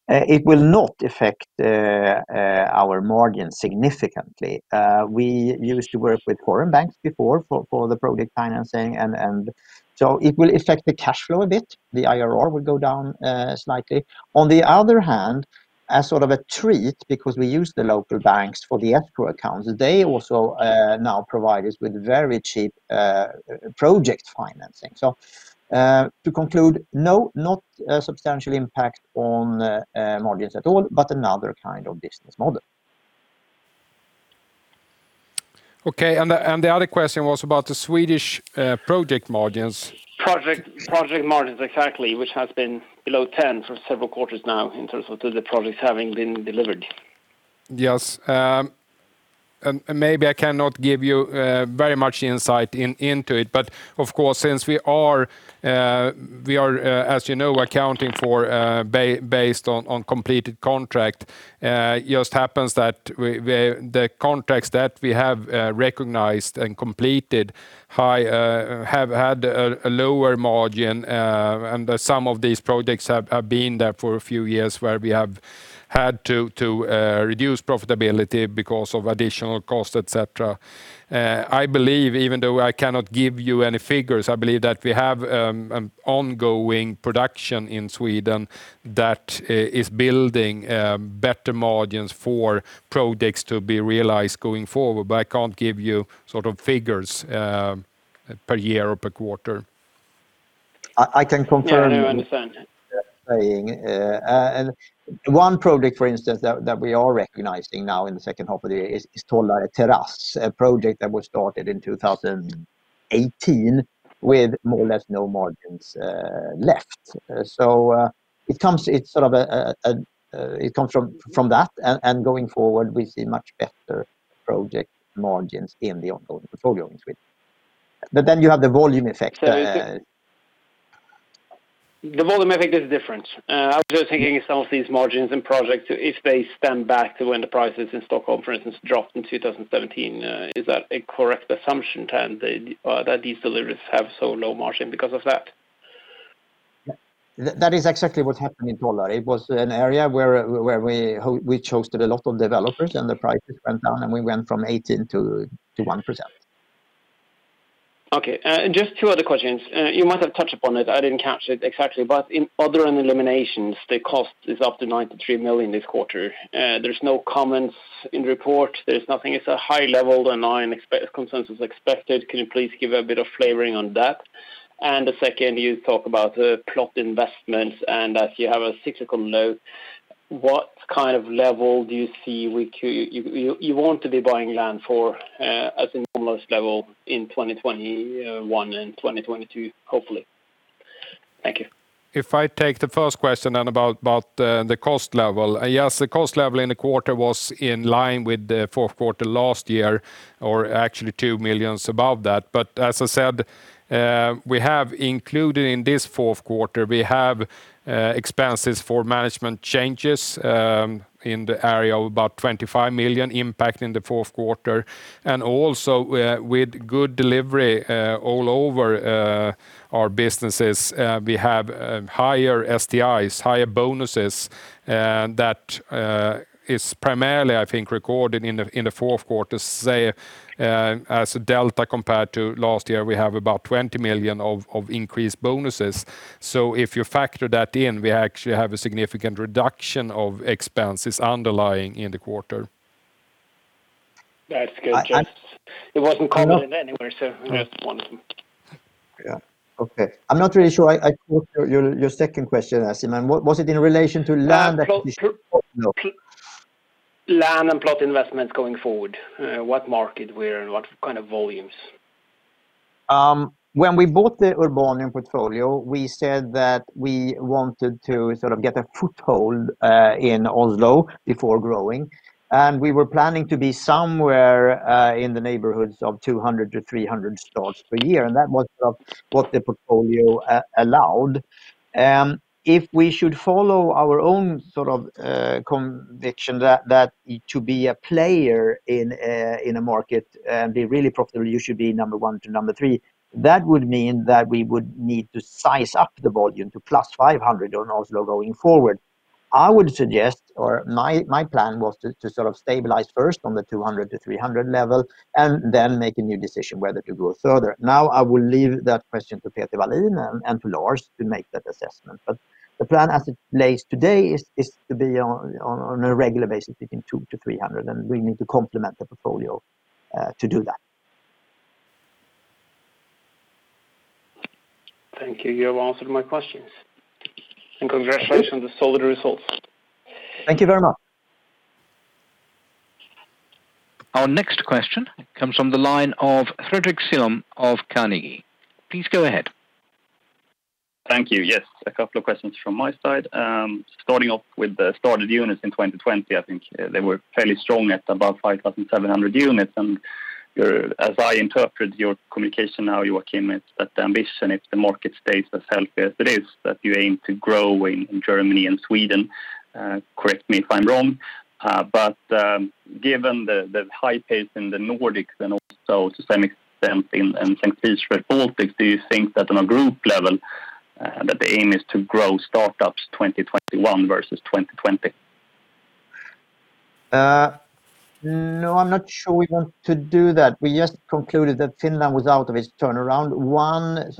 S1: It will not affect our margins significantly. We used to work with foreign banks before for the project financing. It will affect the cash flow a bit. The IRR will go down slightly. On the other hand, as sort of a treat because we use the local banks for the escrow accounts, they also now provide us with very cheap project financing. To conclude, no, not a substantial impact on margins at all, but another kind of business model.
S2: Okay. The other question was about the Swedish project margins.
S6: Project margins, exactly, which has been below 10% for several quarters now in terms of the projects having been delivered.
S2: Yes. Maybe I cannot give you very much insight into it. Of course, since we are, as you know, accounting based on completed contract, it just happens that the contracts that we have recognized and completed have had a lower margin. Some of these projects have been there for a few years where we have had to reduce profitability because of additional cost, et cetera. Even though I cannot give you any figures, I believe that we have an ongoing production in Sweden that is building better margins for projects to be realized going forward. I can't give you figures per year or per quarter.
S6: Yeah, no, I understand.
S1: What you're saying. One project, for instance, that we are recognizing now in the second half of the year is Tollare Terrass, a project that was started in 2018 with more or less no margins left. It comes from that, and going forward, we see much better project margins in the ongoing portfolio in Sweden. You have the volume effect.
S6: The volume effect is different. I was just thinking if some of these margins and projects, if they stem back to when the prices in Stockholm, for instance, dropped in 2017. Is that a correct assumption that these deliveries have so low margin because of that?
S1: That is exactly what happened in Tollare. It was an area where we hosted a lot of developers, and the prices went down, and we went from 18%-1%.
S6: Okay. Just two other questions. You might have touched upon it, I didn't catch it exactly. In other and eliminations, the cost is up to 93 million this quarter. There's no comments in report. There's nothing. It's a high level than consensus expected. Can you please give a bit of flavoring on that? The second you talk about plot investments, and as you have a cyclical note, what kind of level do you see you want to be buying land for as in almost level in 2021 and 2022, hopefully? Thank you.
S2: If I take the first question then about the cost level. Yes, the cost level in the quarter was in line with the fourth quarter last year, or actually 2 million above that. As I said, we have included in this fourth quarter, we have expenses for management changes in the area of about 25 million impact in the fourth quarter. Also with good delivery all over our businesses, we have higher STIs, higher bonuses that is primarily, I think, recorded in the fourth quarter. Say, as a delta compared to last year, we have about 20 million of increased bonuses. If you factor that in, we actually have a significant reduction of expenses underlying in the quarter.
S6: That's good. It wasn't commented anywhere, so I just wondered.
S1: Yeah. Okay. I'm not really sure I caught your second question, Simen. Was it in relation to land acquisition?
S6: Land and plot investments going forward. What market, where, and what kind of volumes?
S1: When we bought the Urbanium portfolio, we said that we wanted to get a foothold in Oslo before growing. We were planning to be somewhere in the neighborhoods of 200-300 starts per year, and that was what the portfolio allowed. If we should follow our own conviction that to be a player in a market and be really profitable, you should be number one to number three. That would mean that we would need to size up the volume to plus 500 on Oslo going forward. I would suggest, or my plan was to stabilize first on the 200-300 level, and then make a new decision whether to go further. I will leave that question to Peter Wallin and to Lars to make that assessment. The plan as it lays today is to be on a regular basis between 200-300, and we need to complement the portfolio to do that.
S6: Thank you. You have answered my questions. Congratulations on the solid results.
S1: Thank you very much.
S4: Our next question comes from the line of Fredrik Cyon of Carnegie. Please go ahead.
S7: Thank you. Yes, a couple of questions from my side. Starting off with the started units in 2020, I think they were fairly strong at above 5,700 units. As I interpret your communication now, Joachim, it's that the ambition, if the market stays as healthy as it is, that you aim to grow in Germany and Sweden. Correct me if I'm wrong. Given the high pace in the Nordics and also to some extent in St. Petersburg, Baltic, do you think that on a group level that the aim is to grow startups 2021 versus 2020?
S1: No, I'm not sure we want to do that. We just concluded that Finland was out of its turnaround. One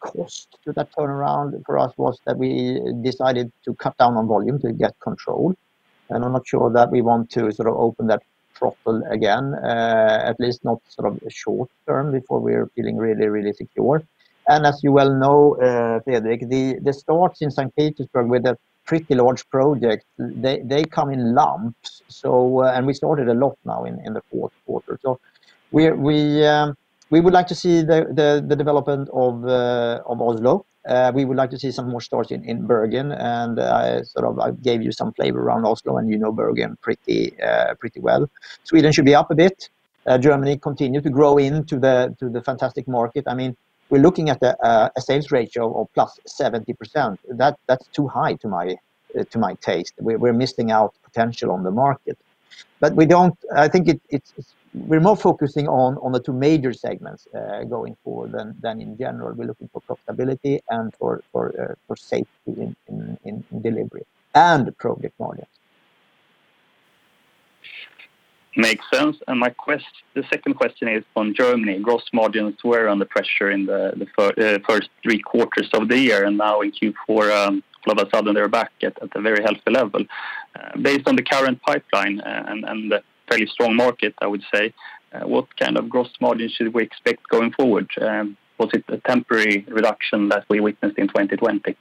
S1: cost to that turnaround for us was that we decided to cut down on volume to get control, and I'm not sure that we want to open that throttle again, at least not short term before we're feeling really, really secure. As you well know, Fredrik, the starts in St. Petersburg with a pretty large project, they come in lumps. We started a lot now in the fourth quarter. We would like to see the development of Oslo. We would like to see some more stores in Bergen. I gave you some flavor around Oslo, and you know Bergen pretty well. Sweden should be up a bit. Germany continue to grow into the fantastic market. We're looking at a sales ratio of +70%. That's too high to my taste. We're missing out potential on the market. We're more focusing on the two major segments going forward than in general. We're looking for profitability and for safety in delivery and project margins.
S7: Makes sense. The second question is on Germany. Gross margins were under pressure in the first three quarters of the year, and now in Q4 all of a sudden they're back at a very healthy level. Based on the current pipeline and the fairly strong market, I would say, what kind of gross margin should we expect going forward? Was it a temporary reduction that we witnessed in 2020?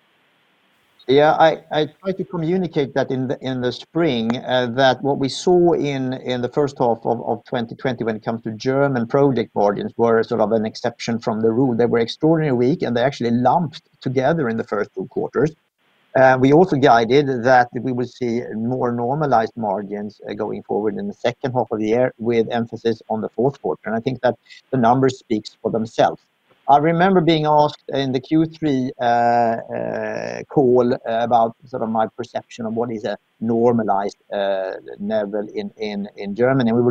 S1: Yeah, I tried to communicate that in the spring, that what we saw in the first half of 2020 when it comes to German project margins were sort of an exception from the rule. They were extraordinarily weak. They actually lumped together in the first two quarters. We also guided that we would see more normalized margins going forward in the second half of the year, with emphasis on the fourth quarter. I think that the numbers speaks for themselves. I remember being asked in the Q3 call about my perception of what is a normalized level in Germany. Now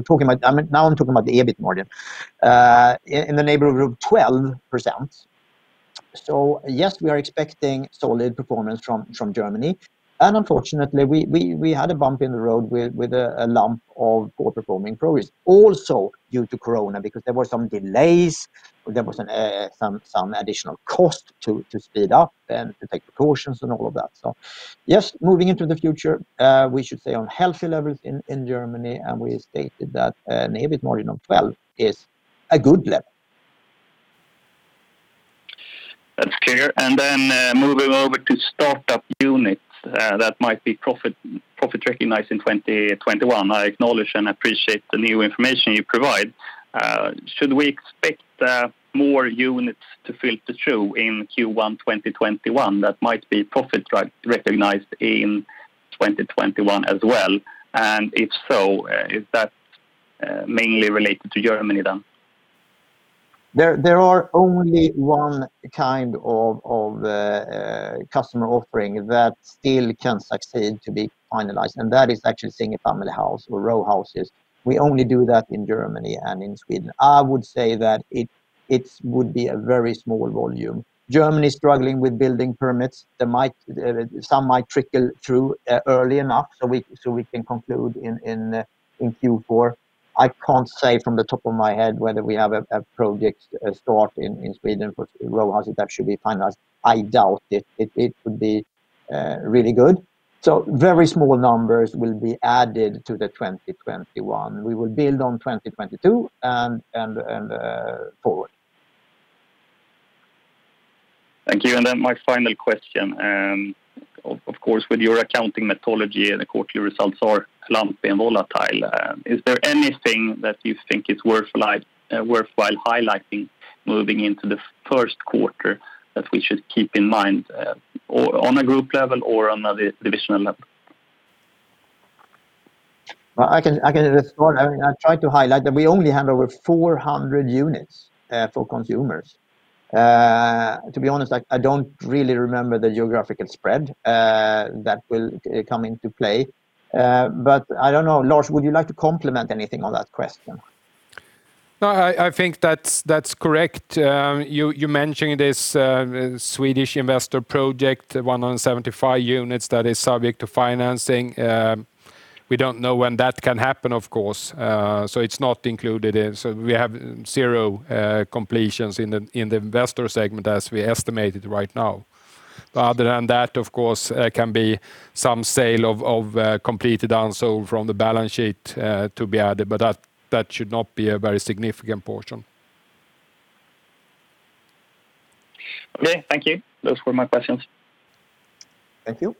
S1: I'm talking about the EBIT margin. In the neighborhood of 12%. Yes, we are expecting solid performance from Germany. Unfortunately, we had a bump in the road with a lump of poor performing projects. Also due to COVID because there were some delays, there was some additional cost to speed up and to take precautions and all of that. Yes, moving into the future, we should stay on healthy levels in Germany, and we stated that an EBIT margin of 12 is a good level.
S7: That's clear. Moving over to start-up units that might be profit-recognized in 2021. I acknowledge and appreciate the new information you provide. Should we expect more units to filter through in Q1 2021 that might be profit-recognized in 2021 as well? If so, is that mainly related to Germany then?
S1: There are only one kind of customer offering that still can succeed to be finalized. That is actually single family house or row houses. We only do that in Germany and in Sweden. I would say that it would be a very small volume. Germany is struggling with building permits. Some might trickle through early enough so we can conclude in Q4. I can't say from the top of my head whether we have a project start in Sweden for row houses that should be finalized. I doubt it. It could be really good. Very small numbers will be added to the 2021. We will build on 2022 and forward.
S7: Thank you. My final question. Of course, with your accounting methodology and the quarterly results are lumpy and volatile, is there anything that you think is worthwhile highlighting moving into the first quarter that we should keep in mind on a group level or on a divisional level?
S1: Well, I can respond. I tried to highlight that we only had over 400 units for consumers. To be honest, I don't really remember the geographical spread that will come into play. I don't know. Lars, would you like to complement anything on that question?
S2: No, I think that is correct. You mentioned this Swedish investor project, 175 units that is subject to financing. We don't know when that can happen, of course. We have zero completions in the investor segment as we estimated right now. Other than that, of course, can be some sale of completed unsold from the balance sheet to be added, that should not be a very significant portion.
S7: Okay, thank you. Those were my questions.
S1: Thank you.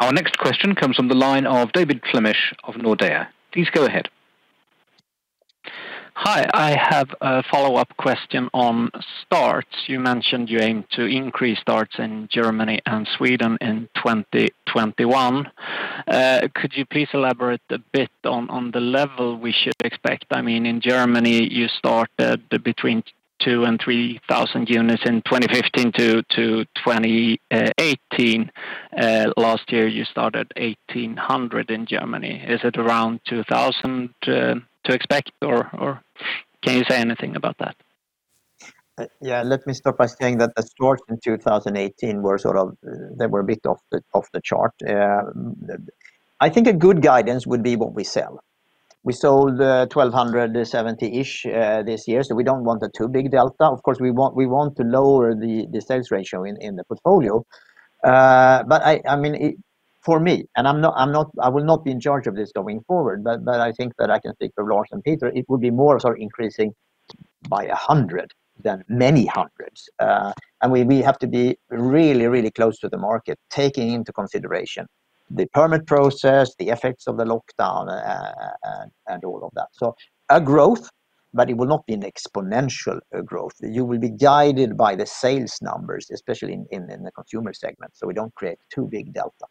S4: Our next question comes from the line of David Flemmich of Nordea. Please go ahead.
S8: Hi, I have a follow-up question on starts. You mentioned you aim to increase starts in Germany and Sweden in 2021. Could you please elaborate a bit on the level we should expect? In Germany, you start between 2,000 and 3,000 units in 2015 to 2018. Last year you started 1,800 in Germany. Is it around 2,000 to expect, or can you say anything about that?
S1: Yeah, let me start by saying that the starts in 2018 were a bit off the chart. I think a good guidance would be what we sell. We sold 1,270-ish this year, so we don't want a too big delta. Of course, we want to lower the sales ratio in the portfolio. For me, and I will not be in charge of this going forward, but I think that I can speak for Lars and Peter, it will be more sort of increasing by 100, then many hundreds. We have to be really close to the market, taking into consideration the permit process, the effects of the lockdown, and all of that. A growth, but it will not be an exponential growth. You will be guided by the sales numbers, especially in the consumer segment, so we don't create too big delta.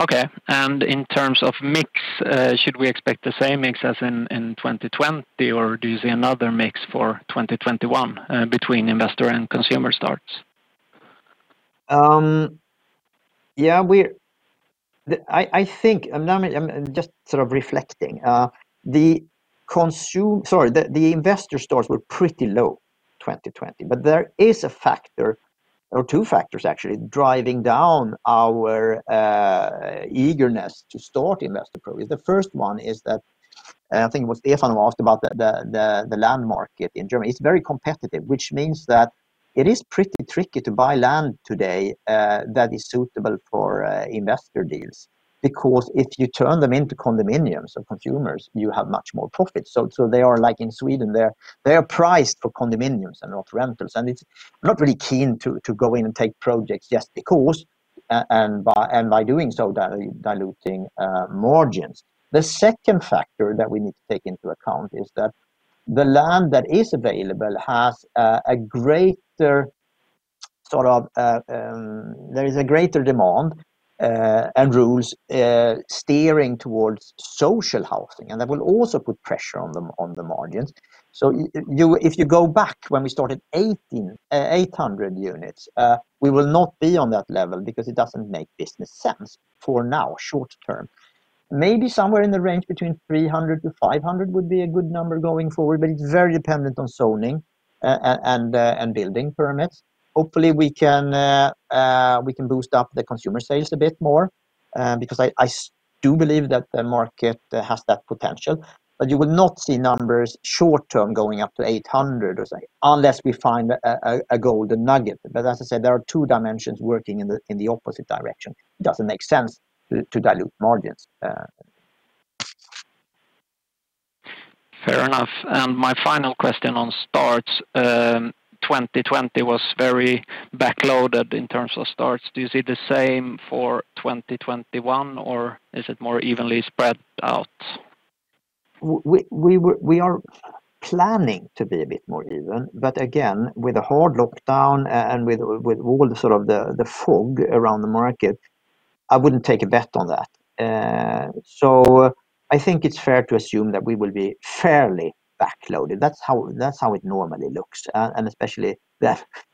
S8: Okay. In terms of mix, should we expect the same mix as in 2020, or do you see another mix for 2021 between investor and consumer starts?
S1: Yeah. I think, I am just reflecting. The investor starts were pretty low 2020, but there is a factor, or two factors actually, driving down our eagerness to start investor probably. The first one is that, I think it was Stefan Andersson who asked about the land market in Germany. It is very competitive, which means that it is pretty tricky to buy land today that is suitable for investor deals. If you turn them into condominiums for consumers, you have much more profit. They are like in Sweden. They are priced for condominiums and not rentals, and it is not really keen to go in and take projects just because, and by doing so, diluting margins. The second factor that we need to take into account is that the land that is available there is a greater demand and rules steering towards social housing, and that will also put pressure on the margins. If you go back when we started 800 units, we will not be on that level because it doesn't make business sense for now, short term. Maybe somewhere in the range between 300-500 would be a good number going forward, but it's very dependent on zoning and building permits. Hopefully, we can boost up the consumer sales a bit more, because I do believe that the market has that potential. You will not see numbers short term going up to 800 or something, unless we find a golden nugget. As I said, there are two dimensions working in the opposite direction. It doesn't make sense to dilute margins.
S8: Fair enough. My final question on starts, 2020 was very back-loaded in terms of starts. Do you see the same for 2021, or is it more evenly spread out?
S1: We are planning to be a bit more even, again, with a hard lockdown and with all the fog around the market, I wouldn't take a bet on that. I think it's fair to assume that we will be fairly back-loaded. That's how it normally looks, especially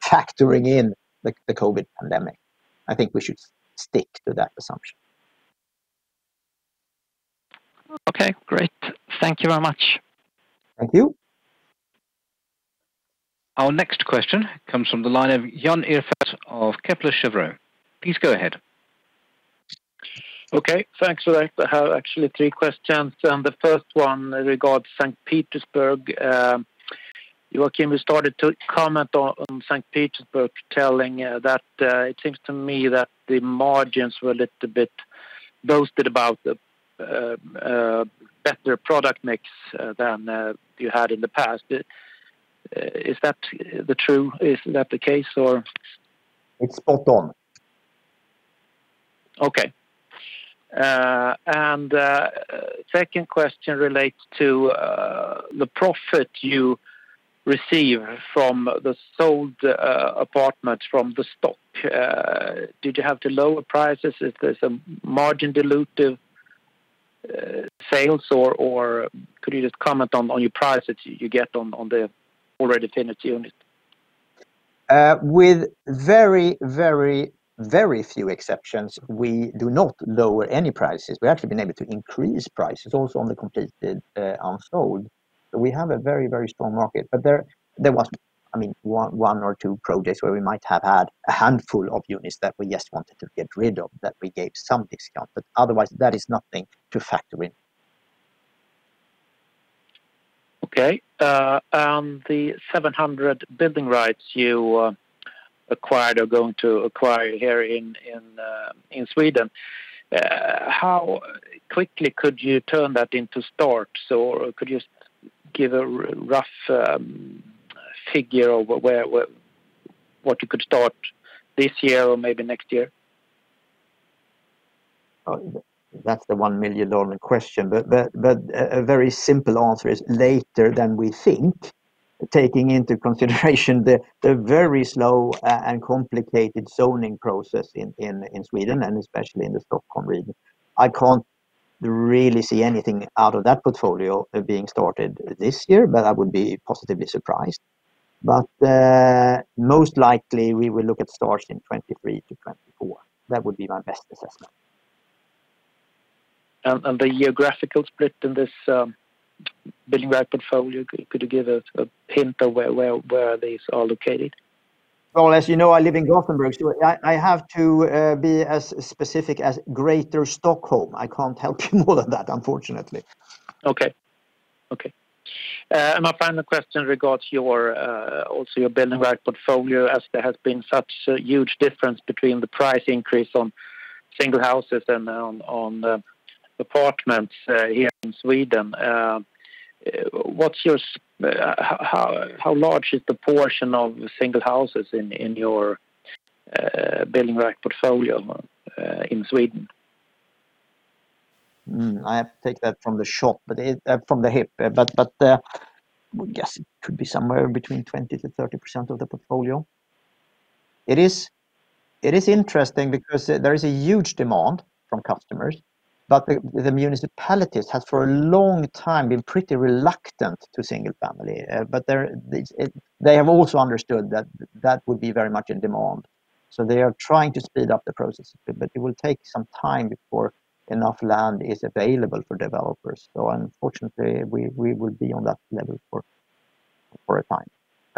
S1: factoring in the COVID pandemic. I think we should stick to that assumption.
S8: Okay, great. Thank you very much.
S1: Thank you.
S4: Our next question comes from the line of Jan Ihrfelt of Kepler Cheuvreux. Please go ahead.
S9: Okay, thanks. I have actually three questions. The first one regards St. Petersburg. Joachim has started to comment on St. Petersburg, telling that it seems to me that the margins were a little bit boosted about the better product mix than you had in the past. Is that the truth? Is that the case or?
S1: It's spot on.
S9: Okay. Second question relates to the profit you receive from the sold apartments from the stock. Did you have to lower prices if there's some margin dilutive sales, or could you just comment on your prices you get on the already finished unit?
S1: With very few exceptions, we do not lower any prices. We've actually been able to increase prices also on the completed unsold. We have a very strong market. There was one or two projects where we might have had a handful of units that we just wanted to get rid of, that we gave some discount, but otherwise, that is nothing to factor in.
S9: The 700 building rights you acquired or are going to acquire here in Sweden, how quickly could you turn that into starts? Could you just give a rough figure of what you could start this year or maybe next year?
S1: That's the 1 million question. A very simple answer is later than we think, taking into consideration the very slow and complicated zoning process in Sweden, and especially in the Stockholm region. I can't really see anything out of that portfolio being started this year, but I would be positively surprised. Most likely we will look at starts in 2023 to 2024. That would be my best assessment.
S9: The geographical split in this building right portfolio, could you give a hint of where these are located?
S1: Well, as you know, I live in Gothenburg, so I have to be as specific as Greater Stockholm. I can't help you more than that, unfortunately.
S9: Okay. My final question regards your building right portfolio as there has been such a huge difference between the price increase on single houses and on apartments here in Sweden. How large is the portion of single houses in your building right portfolio in Sweden?
S1: I have to take that from the hip. Would guess it could be somewhere between 20%-30% of the portfolio. It is interesting because there is a huge demand from customers, but the municipalities have for a long time been pretty reluctant to single family. They have also understood that would be very much in demand, so they are trying to speed up the process a bit, but it will take some time before enough land is available for developers. Unfortunately, we will be on that level for a time.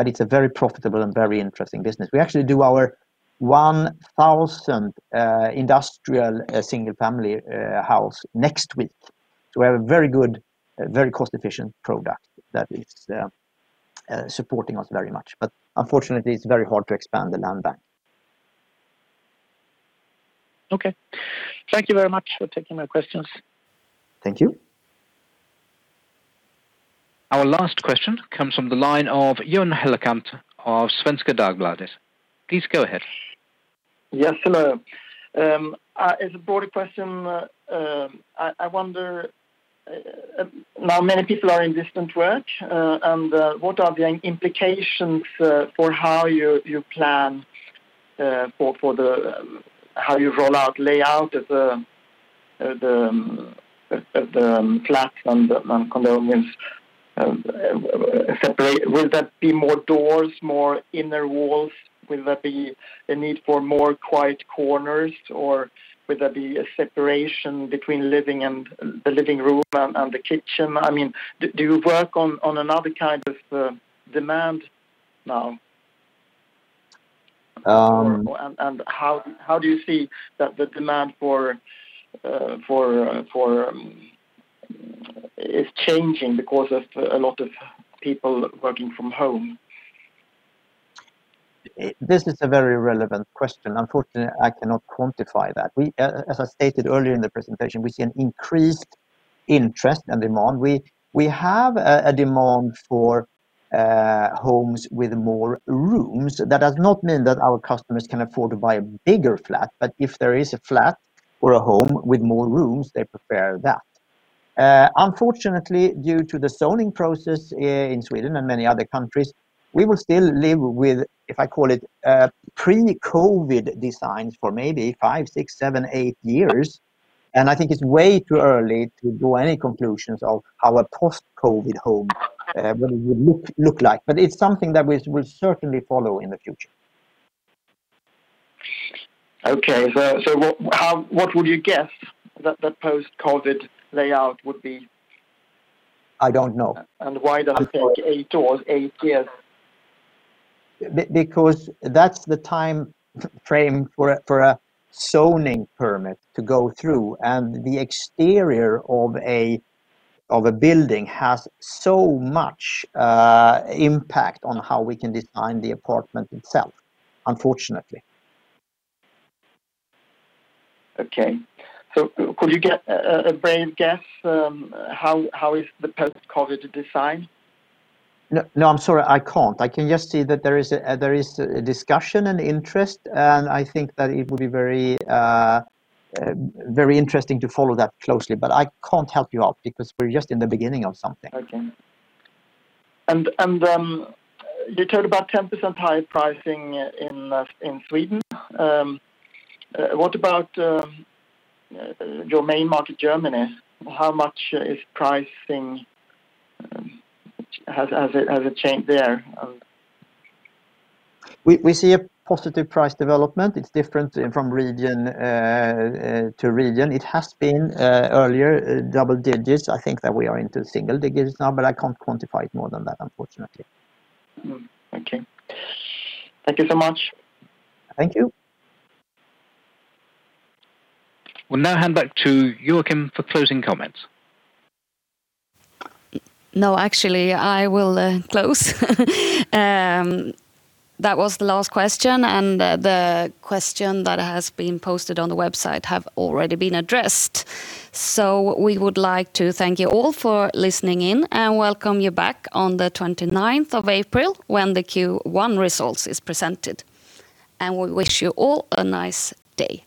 S1: It's a very profitable and very interesting business. We actually do our 1,000 industrial single family house next week. We have a very good, very cost-efficient product that is supporting us very much. Unfortunately, it's very hard to expand the land bank.
S9: Okay. Thank you very much for taking my questions.
S1: Thank you.
S4: Our last question comes from the line of Johan Hellekant of Svenska Dagbladet. Please go ahead.
S10: Yes. Hello. As a broader question, I wonder now many people are in distant work, and what are the implications for how you plan for how you roll out layout of the flats and the condominiums separate? Will there be more doors, more inner walls? Will there be a need for more quiet corners, or will there be a separation between the living room and the kitchen? Do you work on another kind of demand now? How do you see that the demand is changing because of a lot of people working from home?
S1: This is a very relevant question. Unfortunately, I cannot quantify that. As I stated earlier in the presentation, we see an increased interest and demand. We have a demand for homes with more rooms. That does not mean that our customers can afford to buy a bigger flat, but if there is a flat or a home with more rooms, they prefer that. Unfortunately, due to the zoning process in Sweden and many other countries, we will still live with, if I call it pre-COVID designs for maybe five, six, seven, eight years, and I think it's way too early to draw any conclusions of how a post-COVID home will look like. But it's something that we'll certainly follow in the future.
S10: Okay. What would you guess that that post-COVID layout would be?
S1: I don't know.
S10: Why do you think eight years?
S1: Because that's the time frame for a zoning permit to go through, and the exterior of a building has so much impact on how we can design the apartment itself, unfortunately.
S10: Okay. Could you give a brave guess? How is the post-COVID design?
S1: No, I'm sorry. I can't. I can just see that there is a discussion and interest, and I think that it would be very interesting to follow that closely. I can't help you out because we're just in the beginning of something.
S10: Okay. You talked about 10% higher pricing in Sweden. What about your main market, Germany? How much has pricing changed there?
S1: We see a positive price development. It's different from region to region. It has been earlier double digits. I think that we are into single digits now, but I can't quantify it more than that, unfortunately.
S10: Okay. Thank you so much.
S1: Thank you.
S4: We'll now hand back to Joachim for closing comments.
S3: Actually, I will close. That was the last question, and the question that has been posted on the website have already been addressed. We would like to thank you all for listening in and welcome you back on the April 29th when the Q1 results is presented. We wish you all a nice day.